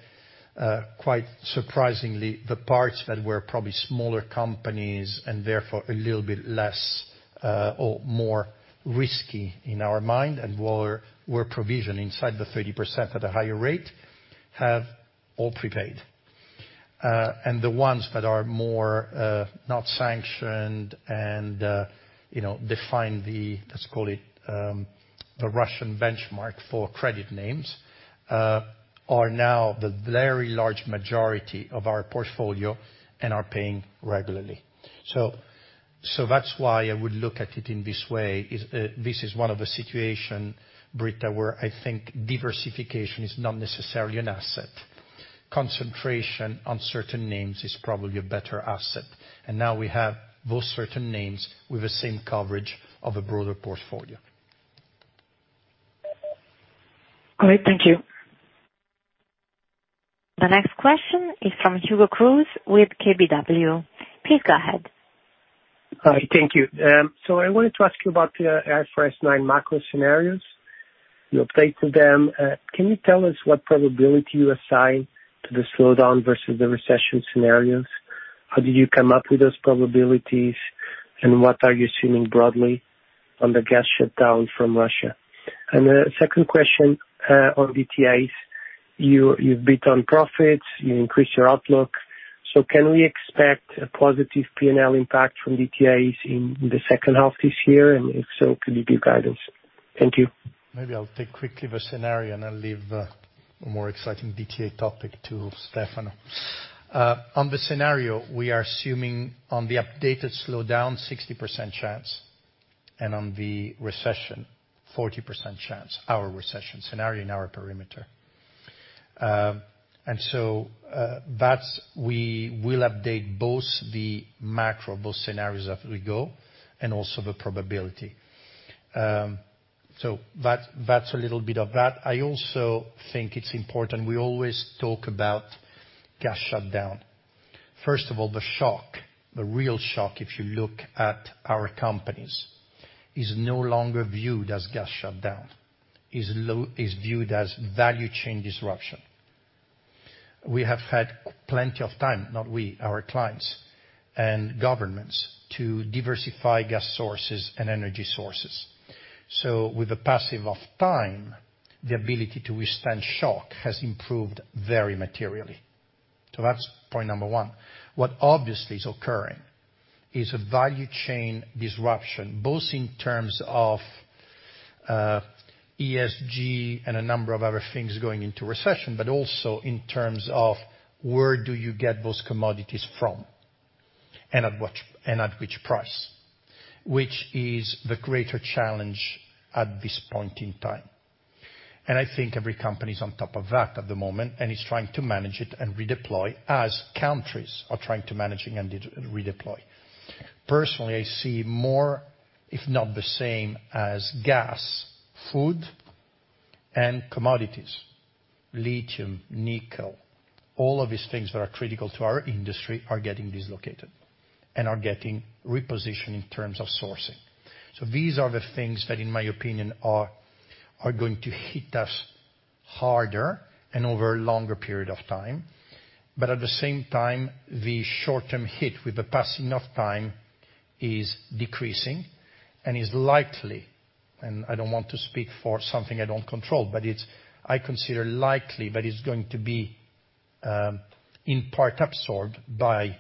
quite surprisingly, the parts that were probably smaller companies and therefore a little bit less or more risky in our mind and were provision inside the 30% at a higher rate, have all prepaid. The ones that are more not sanctioned and, you know, define the, let's call it, the Russian benchmark for credit names, are now the very large majority of our portfolio and are paying regularly. That's why I would look at it in this way, is this is one of the situation, Britta, where I think diversification is not necessarily an asset. Concentration on certain names is probably a better asset. Now we have those certain names with the same coverage of a broader portfolio. Great. Thank you. The next question is from Hugo Cruz with KBW. Please go ahead. Hi. Thank you I wanted to ask you about the IFRS 9 macro scenarios, your take to them. Can you tell us what probability you assign to the slowdown versus the recession scenarios? How did you come up with those probabilities, and what are you assuming broadly on the gas shutdown from Russia? A second question, on DTAs. You've beat on profits, you increased your outlook. Can we expect a positive P&L impact from DTAs in the second half this year? And if so, could you give guidance? Thank you. Maybe I'll take quickly the scenario, and I'll leave more exciting DTA topic to Stefano. On the scenario, we are assuming on the updated slowdown 60% chance and on the recession 40% chance, our recession scenario in our perimeter. That's we will update both the macro, both scenarios as we go and also the probability. That's a little bit of that. I also think it's important we always talk about gas shutdown. First of all, the shock, the real shock, if you look at our companies, is no longer viewed as gas shutdown. Is viewed as value chain disruption. We have had plenty of time, not we, our clients and governments, to diversify gas sources and energy sources. With the passage of time, the ability to withstand shock has improved very materially. That's point number one. What obviously is occurring is a value chain disruption, both in terms of ESG and a number of other things going into recession, but also in terms of where do you get those commodities from, and at which price, which is the greater challenge at this point in time. I think every company is on top of that at the moment, and is trying to manage it and redeploy, as countries are trying to manage and redeploy. Personally, I see more, if not the same as gas, food and commodities, lithium, nickel, all of these things that are critical to our industry are getting dislocated and are getting repositioned in terms of sourcing. These are the things that in my opinion are going to hit us harder and over a longer period of time. At the same time, the short-term hit with the passing of time is decreasing and is likely, and I don't want to speak for something I don't control, but it's, I consider, likely that it's going to be in part absorbed by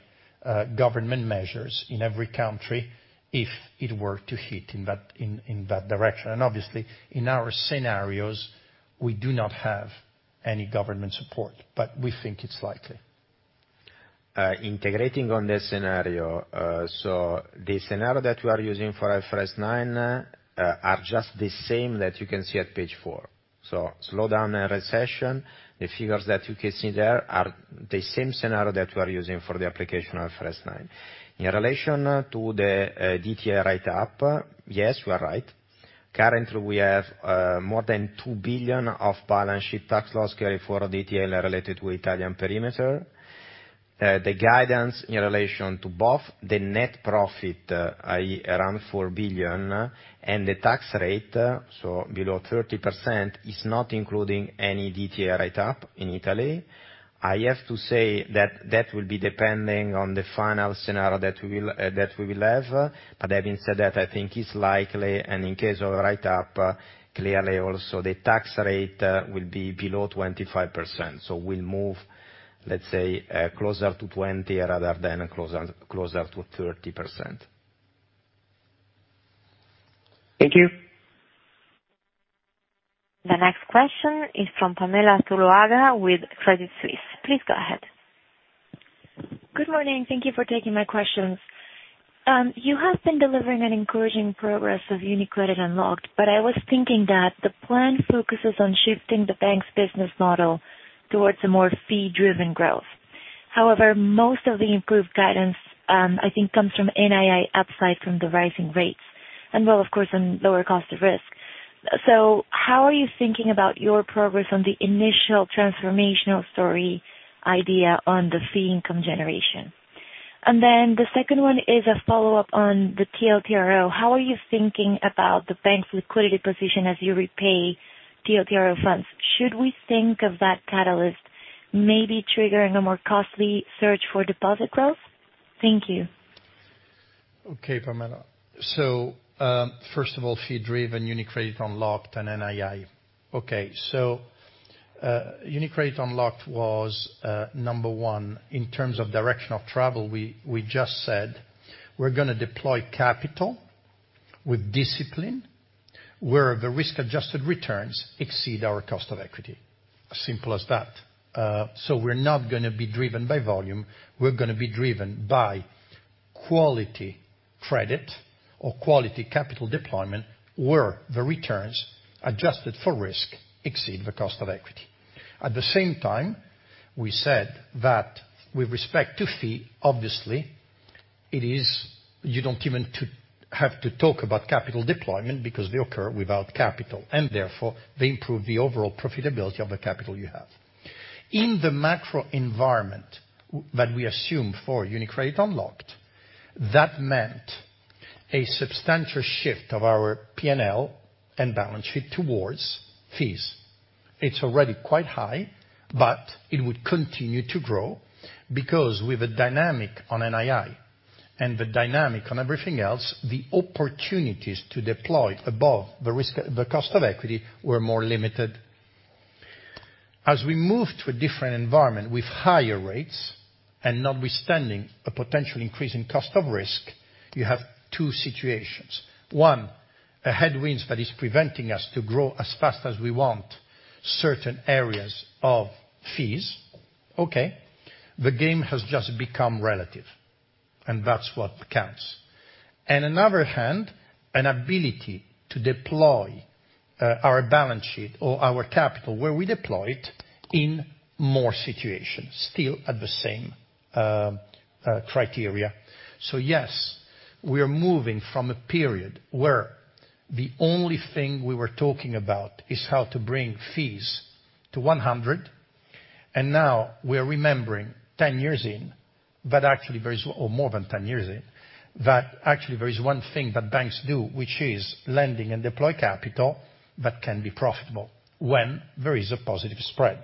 government measures in every country if it were to hit in that direction. Obviously in our scenarios, we do not have any government support, but we think it's likely. Elaborating on the scenario. The scenario that we are using for IFRS 9 are just the same that you can see at page four. Slowdown recession, the figures that you can see there are the same scenario that we are using for the application of IFRS 9. In relation to the DTA write up, yes, you are right. Currently, we have more than 2 billion of balance sheet tax loss carry for DTA related to Italian perimeter. The guidance in relation to both the net profit around 4 billion, and the tax rate, so below 30%, is not including any DTA write up in Italy. I have to say that will be depending on the final scenario that we will have. Having said that, I think it's likely, and in case of a write up, clearly also the tax rate will be below 25%. We'll move, let's say, closer to 20% rather than closer to 30%. Thank you. The next question is from Pamela Zuluaga with Credit Suisse. Please go ahead. Good morning. Thank you for taking my questions. You have been delivering an encouraging progress of UniCredit Unlocked, but I was thinking that the plan focuses on shifting the bank's business model towards a more fee-driven growth. However, most of the improved guidance, I think, comes from NII upside from the rising rates and, well, of course, on lower Cost of Risk. How are you thinking about your progress on the initial transformational story idea on the fee income generation? And then the second one is a follow-up on the TLTRO. How are you thinking about the bank's liquidity position as you repay TLTRO funds? Should we think of that catalyst maybe triggering a more costly search for deposit growth? Thank you. Okay, Pamela. First of all, fee-driven UniCredit Unlocked and NII. Okay. UniCredit Unlocked was number one in terms of direction of travel. We just said we're gonna deploy capital with discipline where the risk-adjusted returns exceed our cost of equity. Simple as that. We're not gonna be driven by volume, we're gonna be driven by quality credit or quality capital deployment, where the returns adjusted for risk exceed the cost of equity. At the same time, we said that with respect to fee, obviously, it is, you don't even have to talk about capital deployment because they occur without capital, and therefore they improve the overall profitability of the capital you have. In the macro environment that we assume for UniCredit Unlocked, that meant a substantial shift of our P&L and balance sheet towards fees. It's already quite high, but it would continue to grow because with the dynamic on NII and the dynamic on everything else, the opportunities to deploy above the risk, the cost of equity were more limited. As we move to a different environment with higher rates, and notwithstanding a potential increase in Cost of Risk, you have two situations. One, a headwind that is preventing us to grow as fast as we want certain areas of fees. Okay, the game has just become relative, and that's what counts. On the other hand, an ability to deploy our balance sheet or our capital where we deploy it in more situations, still at the same criteria. Yes, we are moving from a period where the only thing we were talking about is how to bring fees to 100, and now we are remembering 10 years in, but actually there is or more than 10 years in, that actually there is one thing that banks do, which is lending and deploy capital that can be profitable when there is a positive spread.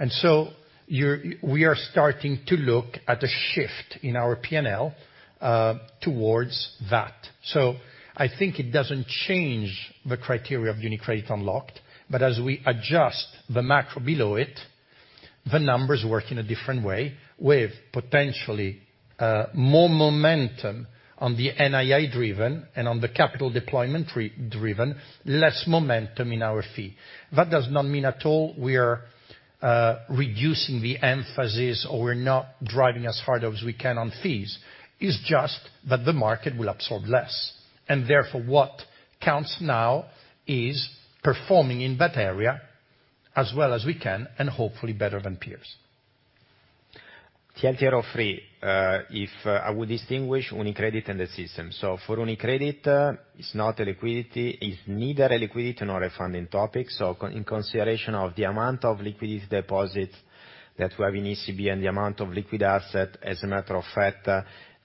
We are starting to look at a shift in our P&L towards that. I think it doesn't change the criteria of UniCredit Unlocked, but as we adjust the macro below it, the numbers work in a different way, with potentially more momentum on the NII driven and on the capital deployment re-driven, less momentum in our fee. That does not mean at all we are reducing the emphasis, or we're not driving as hard as we can on fees. It's just that the market will absorb less. Therefore, what counts now is performing in that area as well as we can and hopefully better than peers. TLTRO III, if I would distinguish UniCredit and the system. For UniCredit, it's not a liquidity. It's neither a liquidity nor a funding topic. In consideration of the amount of liquidity deposits that we have in ECB and the amount of liquid asset, as a matter of fact,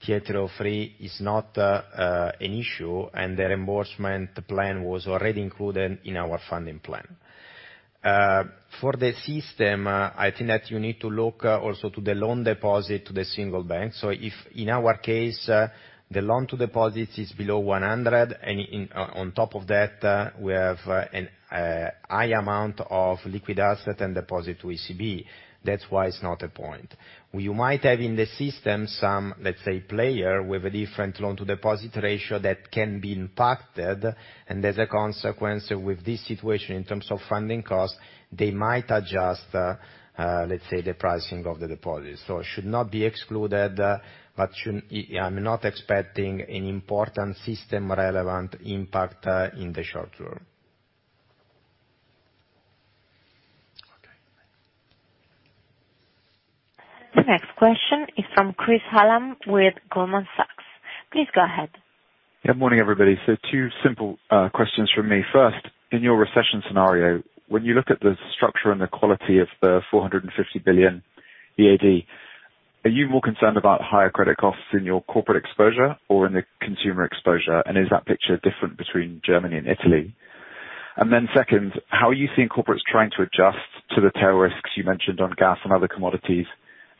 TLTRO III is not an issue, and the reimbursement plan was already included in our funding plan. For the system, I think that you need to look also to the loan-to-deposit of the single bank. If in our case, the loan-to-deposit is below 100, and on top of that, we have a high amount of liquid asset and deposit to ECB. That's why it's not a point. You might have in the system some, let's say, player with a different loan to deposit ratio that can be impacted, and as a consequence, with this situation in terms of funding costs, they might adjust, let's say, the pricing of the deposit. It should not be excluded, but should. I'm not expecting an important system relevant impact, in the short term. Okay. The next question is from Chris Hallam with Goldman Sachs. Please go ahead. Yeah. Morning, everybody. Two simple questions from me. First, in your recession scenario, when you look at the structure and the quality of the 450 billion EAD, are you more concerned about higher credit costs in your corporate exposure or in the consumer exposure? And is that picture different between Germany and Italy? Second, how are you seeing corporates trying to adjust to the tail risks you mentioned on gas and other commodities?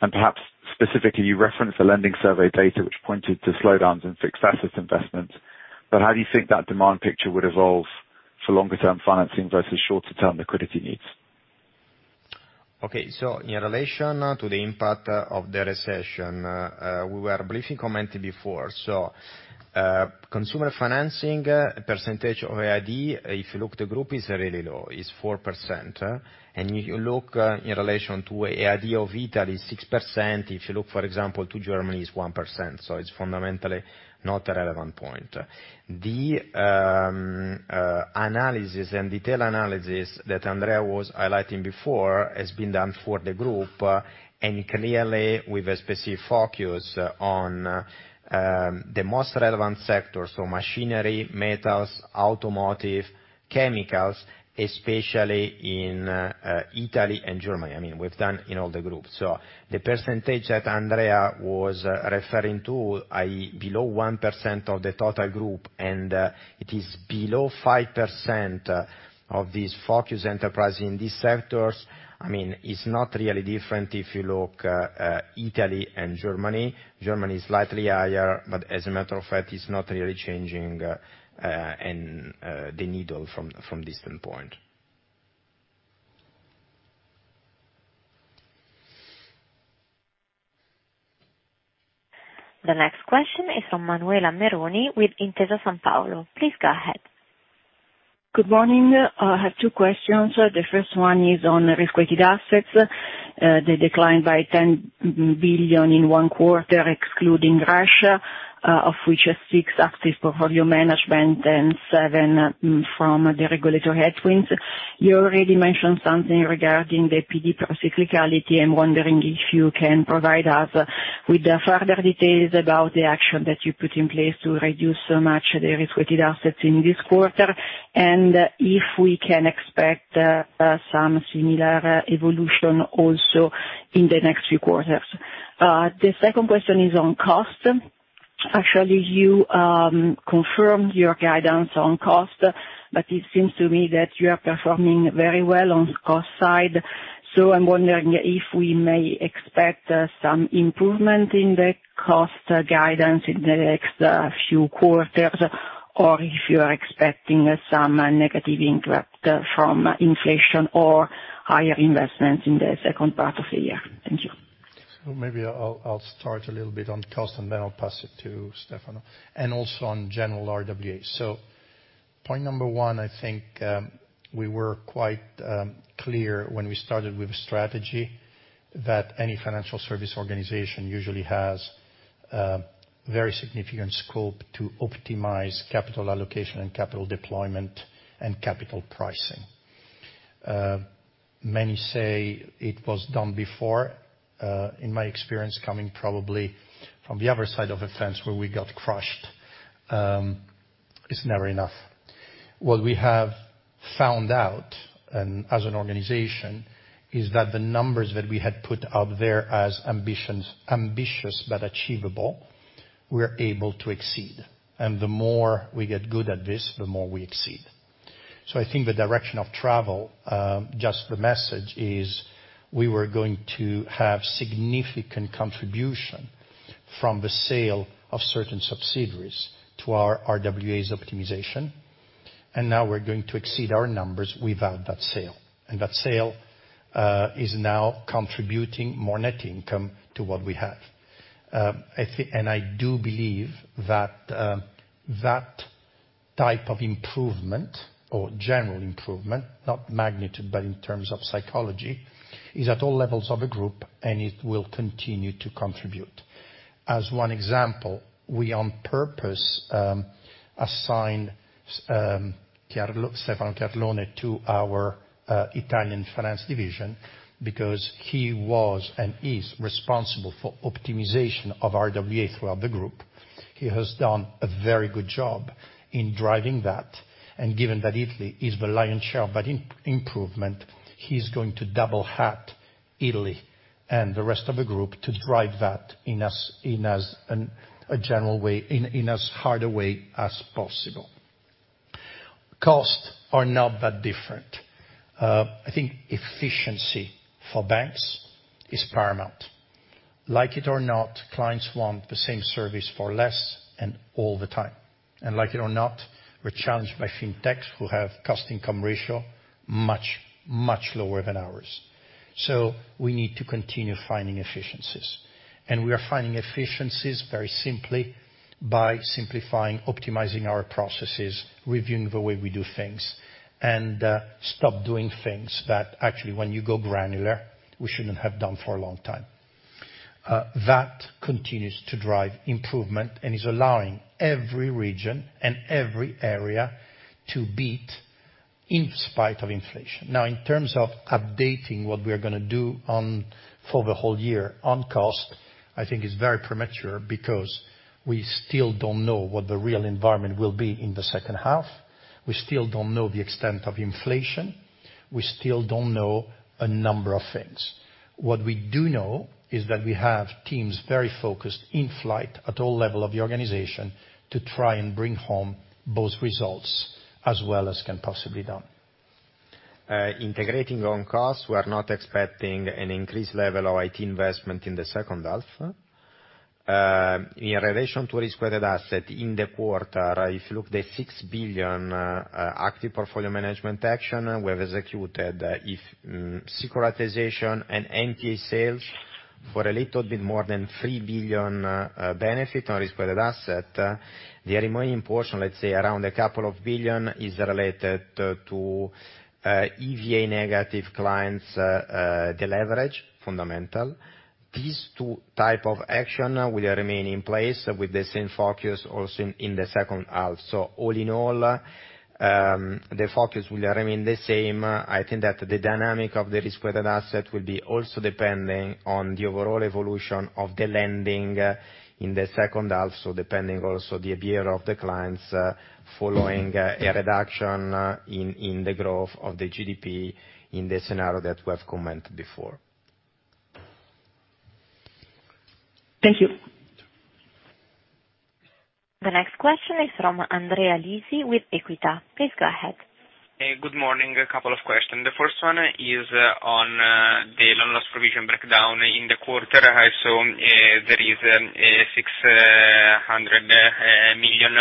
And perhaps specifically, you referenced the lending survey data, which pointed to slowdowns in successive investments, but how do you think that demand picture would evolve for longer term financing versus shorter term liquidity needs? Okay. In relation to the impact of the recession, we were briefly commenting before. Consumer financing percentage of EAD, if you look, the group is really low. It's 4%. If you look in relation to EAD of Italy, 6%. If you look, for example, to Germany, it's 1%. It's fundamentally not a relevant point. The analysis and detailed analysis that Andrea was highlighting before has been done for the group, and clearly with a specific focus on the most relevant sectors. Machinery, metals, automotive, chemicals, especially in Italy and Germany. I mean, we've done in all the groups. The percentage that Andrea was referring to, i.e., below 1% of the total group, and it is below 5% of these focus enterprises in these sectors. I mean, it's not really different if you look, Italy and Germany. Germany is slightly higher, but as a matter of fact, it's not really changing, and the needle from this standpoint. The next question is from Manuela Meroni with Intesa Sanpaolo. Please go ahead. Good morning. I have two questions. The first one is on Risk-Weighted Assets. They declined by 10 billion in one quarter, excluding Russia, of which six active portfolio management and seven from the regulatory headwinds. You already mentioned something regarding the PD procyclicality. I'm wondering if you can provide us with further details about the action that you put in place to reduce so much the Risk-Weighted Assets in this quarter, and if we can expect some similar evolution also in the next few quarters. The second question is on cost. Actually, you confirmed your guidance on cost, but it seems to me that you are performing very well on cost side. I'm wondering if we may expect some improvement in the cost guidance in the next few quarters, or if you are expecting some negative impact from inflation or higher investments in the second part of the year. Thank you. Maybe I'll start a little bit on cost, and then I'll pass it to Stefano, and also on general RWA. Point number one, I think, we were quite clear when we started with strategy that any financial service organization usually has very significant scope to optimize capital allocation and capital deployment and capital pricing. Many say it was done before, in my experience, coming probably from the other side of the fence where we got crushed. It's never enough. What we have found out, and as an organization, is that the numbers that we had put out there as ambitions, ambitious, but achievable, we're able to exceed. The more we get good at this, the more we exceed. I think the direction of travel, just the message is we were going to have significant contribution from the sale of certain subsidiaries to our RWAs optimization, and now we're going to exceed our numbers without that sale. That sale is now contributing more net income to what we have. I do believe that that type of improvement or general improvement, not magnitude, but in terms of psychology, is at all levels of a group, and it will continue to contribute. As one example, we on purpose assigned Carlo, Stefano Chiarlone to our Italian finance division because he was and is responsible for optimization of RWA throughout the group. He has done a very good job in driving that. Given that Italy is the lion's share by improvement, he's going to double hat Italy and the rest of the group to drive that in as general a way, in as hard a way as possible. Costs are not that different. I think efficiency for banks is paramount. Like it or not, clients want the same service for less and all the time. Like it or not, we're challenged by fintechs who have cost income ratio much, much lower than ours. We need to continue finding efficiencies. We are finding efficiencies very simply by simplifying, optimizing our processes, reviewing the way we do things, and stop doing things that actually when you go granular, we shouldn't have done for a long time. That continues to drive improvement and is allowing every region and every area to beat in spite of inflation. Now, in terms of updating what we are gonna do on, for the whole year on cost, I think is very premature because we still don't know what the real environment will be in the second half. We still don't know the extent of inflation. We still don't know a number of things. What we do know is that we have teams very focused in flight at all level of the organization to try and bring home those results as well as can possibly done. Integrating on costs, we are not expecting an increased level of IT investment in the second half. In relation to Risk-Weighted Asset in the quarter, if you look the 6 billion active portfolio management action we have executed, securitization and NPA sales for a little bit more than 3 billion benefit on Risk-Weighted Asset, the remaining portion, let's say around a couple of billion, is related to EVA negative clients, deleverage, fundamental. These two type of action will remain in place with the same focus also in the second half. All in all, the focus will remain the same. I think that the dynamic of the Risk-Weighted Asset will be also depending on the overall evolution of the lending in the second half, so depending also on the behavior of the clients following a reduction in the growth of the GDP in the scenario that we have commented before. Thank you. The next question is from Andrea Lisi with Equita. Please go ahead. Hey, good morning. A couple of questions. The first one is on the loan loss provision breakdown in the quarter. I saw there is 600 million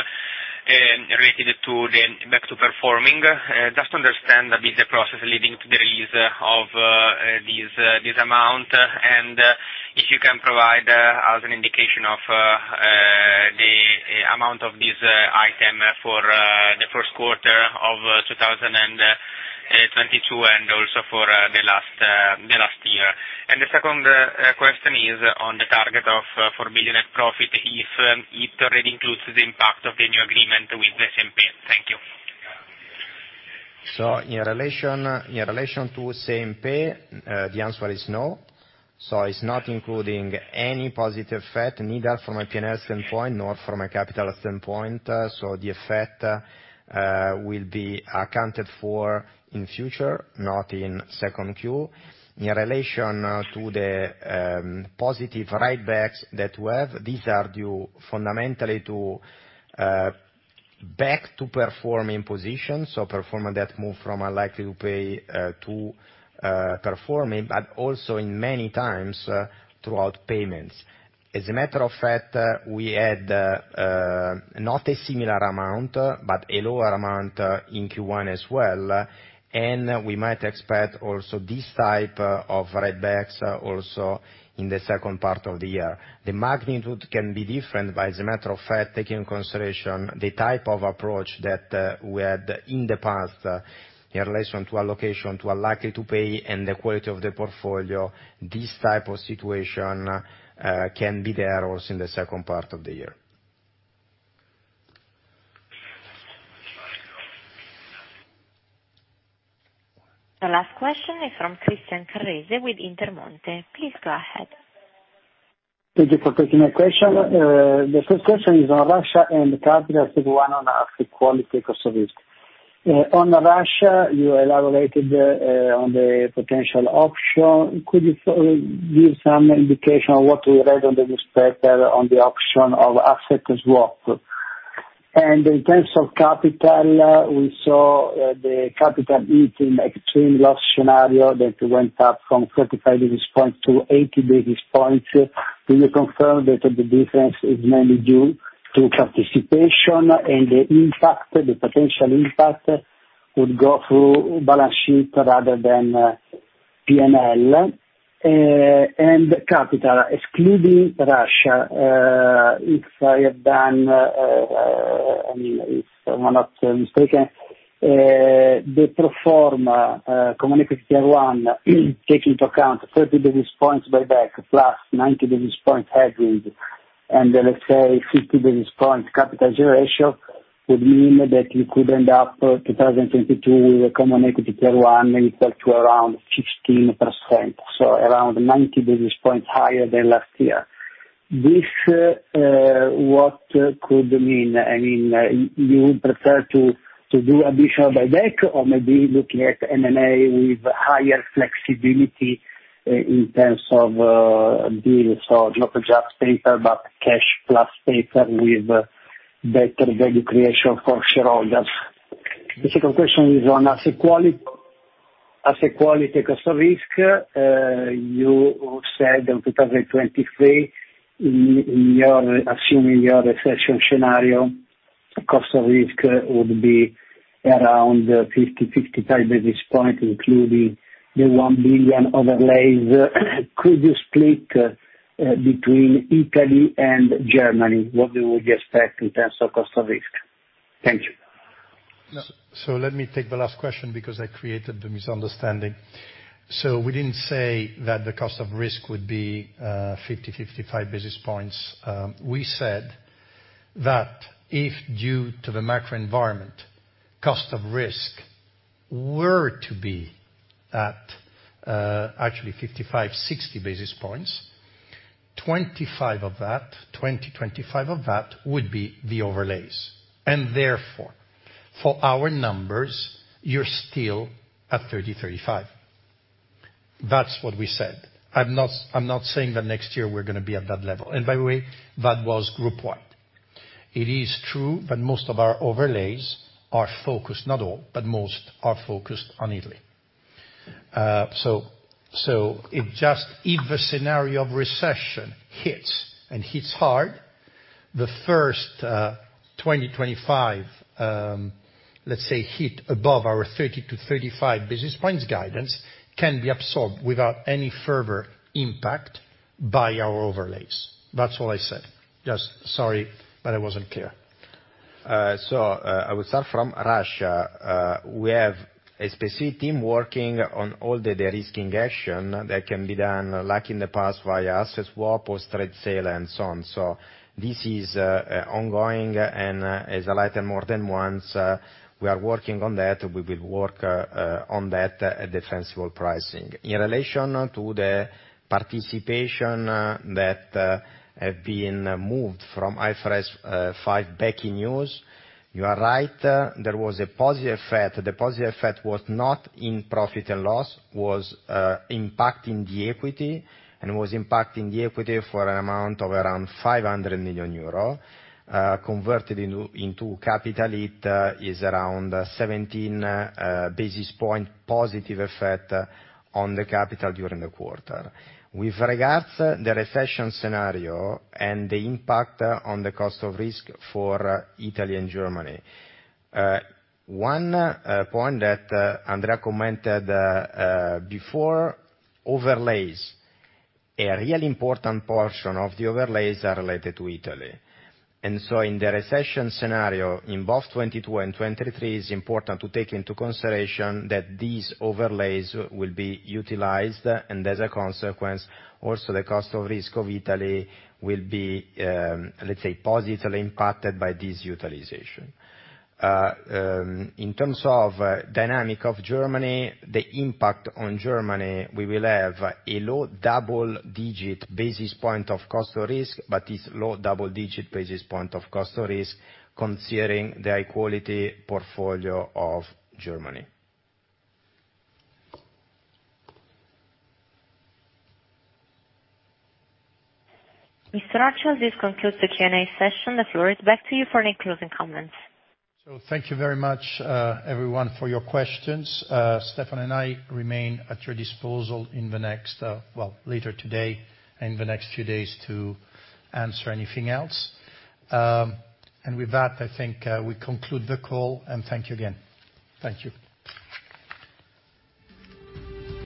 related to the back to performing. Just to understand a bit the process leading to the release of this amount, and if you can provide as an indication of the amount of this item for the first quarter of 2022, and also for the last year. The second question is on the target of 4 million net profit, if it already includes the impact of the new agreement with CMP. Thank you. In relation to CMP, the answer is no. It's not including any positive effect, neither from a P&L standpoint nor from a capital standpoint. The effect will be accounted for in future, not in second Q. In relation to the positive write-backs that we have, these are due fundamentally to back to performing positions, so performing that move from unlikely to pay to performing, but also in many times throughout payments. As a matter of fact, we had not a similar amount, but a lower amount in Q1 as well, and we might expect also this type of write-backs also in the second part of the year. The magnitude can be different, but as a matter of fact, taking into consideration the type of approach that we had in the past in relation to allocation, to unlikely to pay, and the quality of the portfolio, this type of situation can be there also in the second part of the year. The last question is from Christian Carrese with Intermonte. Please go ahead. Thank you for taking my question. The first question is on Russia and capital, one on asset quality, Cost of Risk. On Russia, you elaborated on the potential option. Could you give some indication on what we read on the newspaper on the option of asset swap? In terms of capital, we saw the capital meeting extreme loss scenario that went up from 45 basis points to 80 basis points. Can you confirm that the difference is mainly due to participation in the impact, the potential impact would go through balance sheet rather than P&L? Capital, excluding Russia. If I'm not mistaken, the pro forma Common Equity Tier 1 take into account 30 basis points buyback, plus 90 basis points headroom, and let's say 50 basis points capital ratio would mean that you could end up, 2022, with Common Equity Tier 1 equal to around 15%, so around 90 basis points higher than last year. This, what could mean? I mean, you would prefer to do additional buyback or maybe looking at M&A with higher flexibility in terms of deals or not just paper, but cash plus paper with better value creation for shareholders. The second question is on asset quality Cost of Risk. You said in 2023, assuming your recession scenario, Cost of Risk would be around 50-55 basis points, including the 1 billion overlays. Could you split between Italy and Germany what we would expect in terms of Cost of Risk? Thank you. Let me take the last question because I created the misunderstanding. We didn't say that the Cost of Risk would be 50-55 basis points. We said that if due to the macro environment, Cost of Risk were to be at actually 55-60 basis points, 25 of that would be the overlays. Therefore, for our numbers, you're still at 30-35. That's what we said. I'm not saying that next year we're gonna be at that level. By the way, that was group wide. It is true that most of our overlays are focused, not all, but most are focused on Italy. If the scenario of recession hits and hits hard, the first 20-25, let's say, hit above our 30-35 basis points guidance can be absorbed without any further impact by our overlays. That's all I said. Just sorry that I wasn't clear. I will start from Russia. We have a specific team working on all the de-risking action that can be done, like in the past via asset swap or straight sale and so on. This is ongoing and, as highlighted more than once, we are working on that. We will work on that at the transfer pricing. In relation to the participation that have been moved from IFRS 5 back in years, you are right. There was a positive effect. The positive effect was not in profit and loss, impacting the equity for an amount of around 500 million euro. Converted into capital, it is around 17 basis points positive effect on the capital during the quarter. With regards the recession scenario and the impact on the Cost of Risk for Italy and Germany, one point that Andrea commented before overlays, a really important portion of the overlays are related to Italy. In the recession scenario, in both 2022 and 2023, it's important to take into consideration that these overlays will be utilized, and as a consequence, also the Cost of Risk of Italy will be, let's say, positively impacted by this utilization. In terms of dynamics of Germany, the impact on Germany, we will have a low double-digit basis points of Cost of Risk, considering the high quality portfolio of Germany. Mr. Orcel, this concludes the Q&A session. The floor is back to you for any closing comments. Thank you very much, everyone, for your questions. Stefano and I remain at your disposal in the next, later today and the next few days to answer anything else. With that, I think, we conclude the call, and thank you again. Thank you.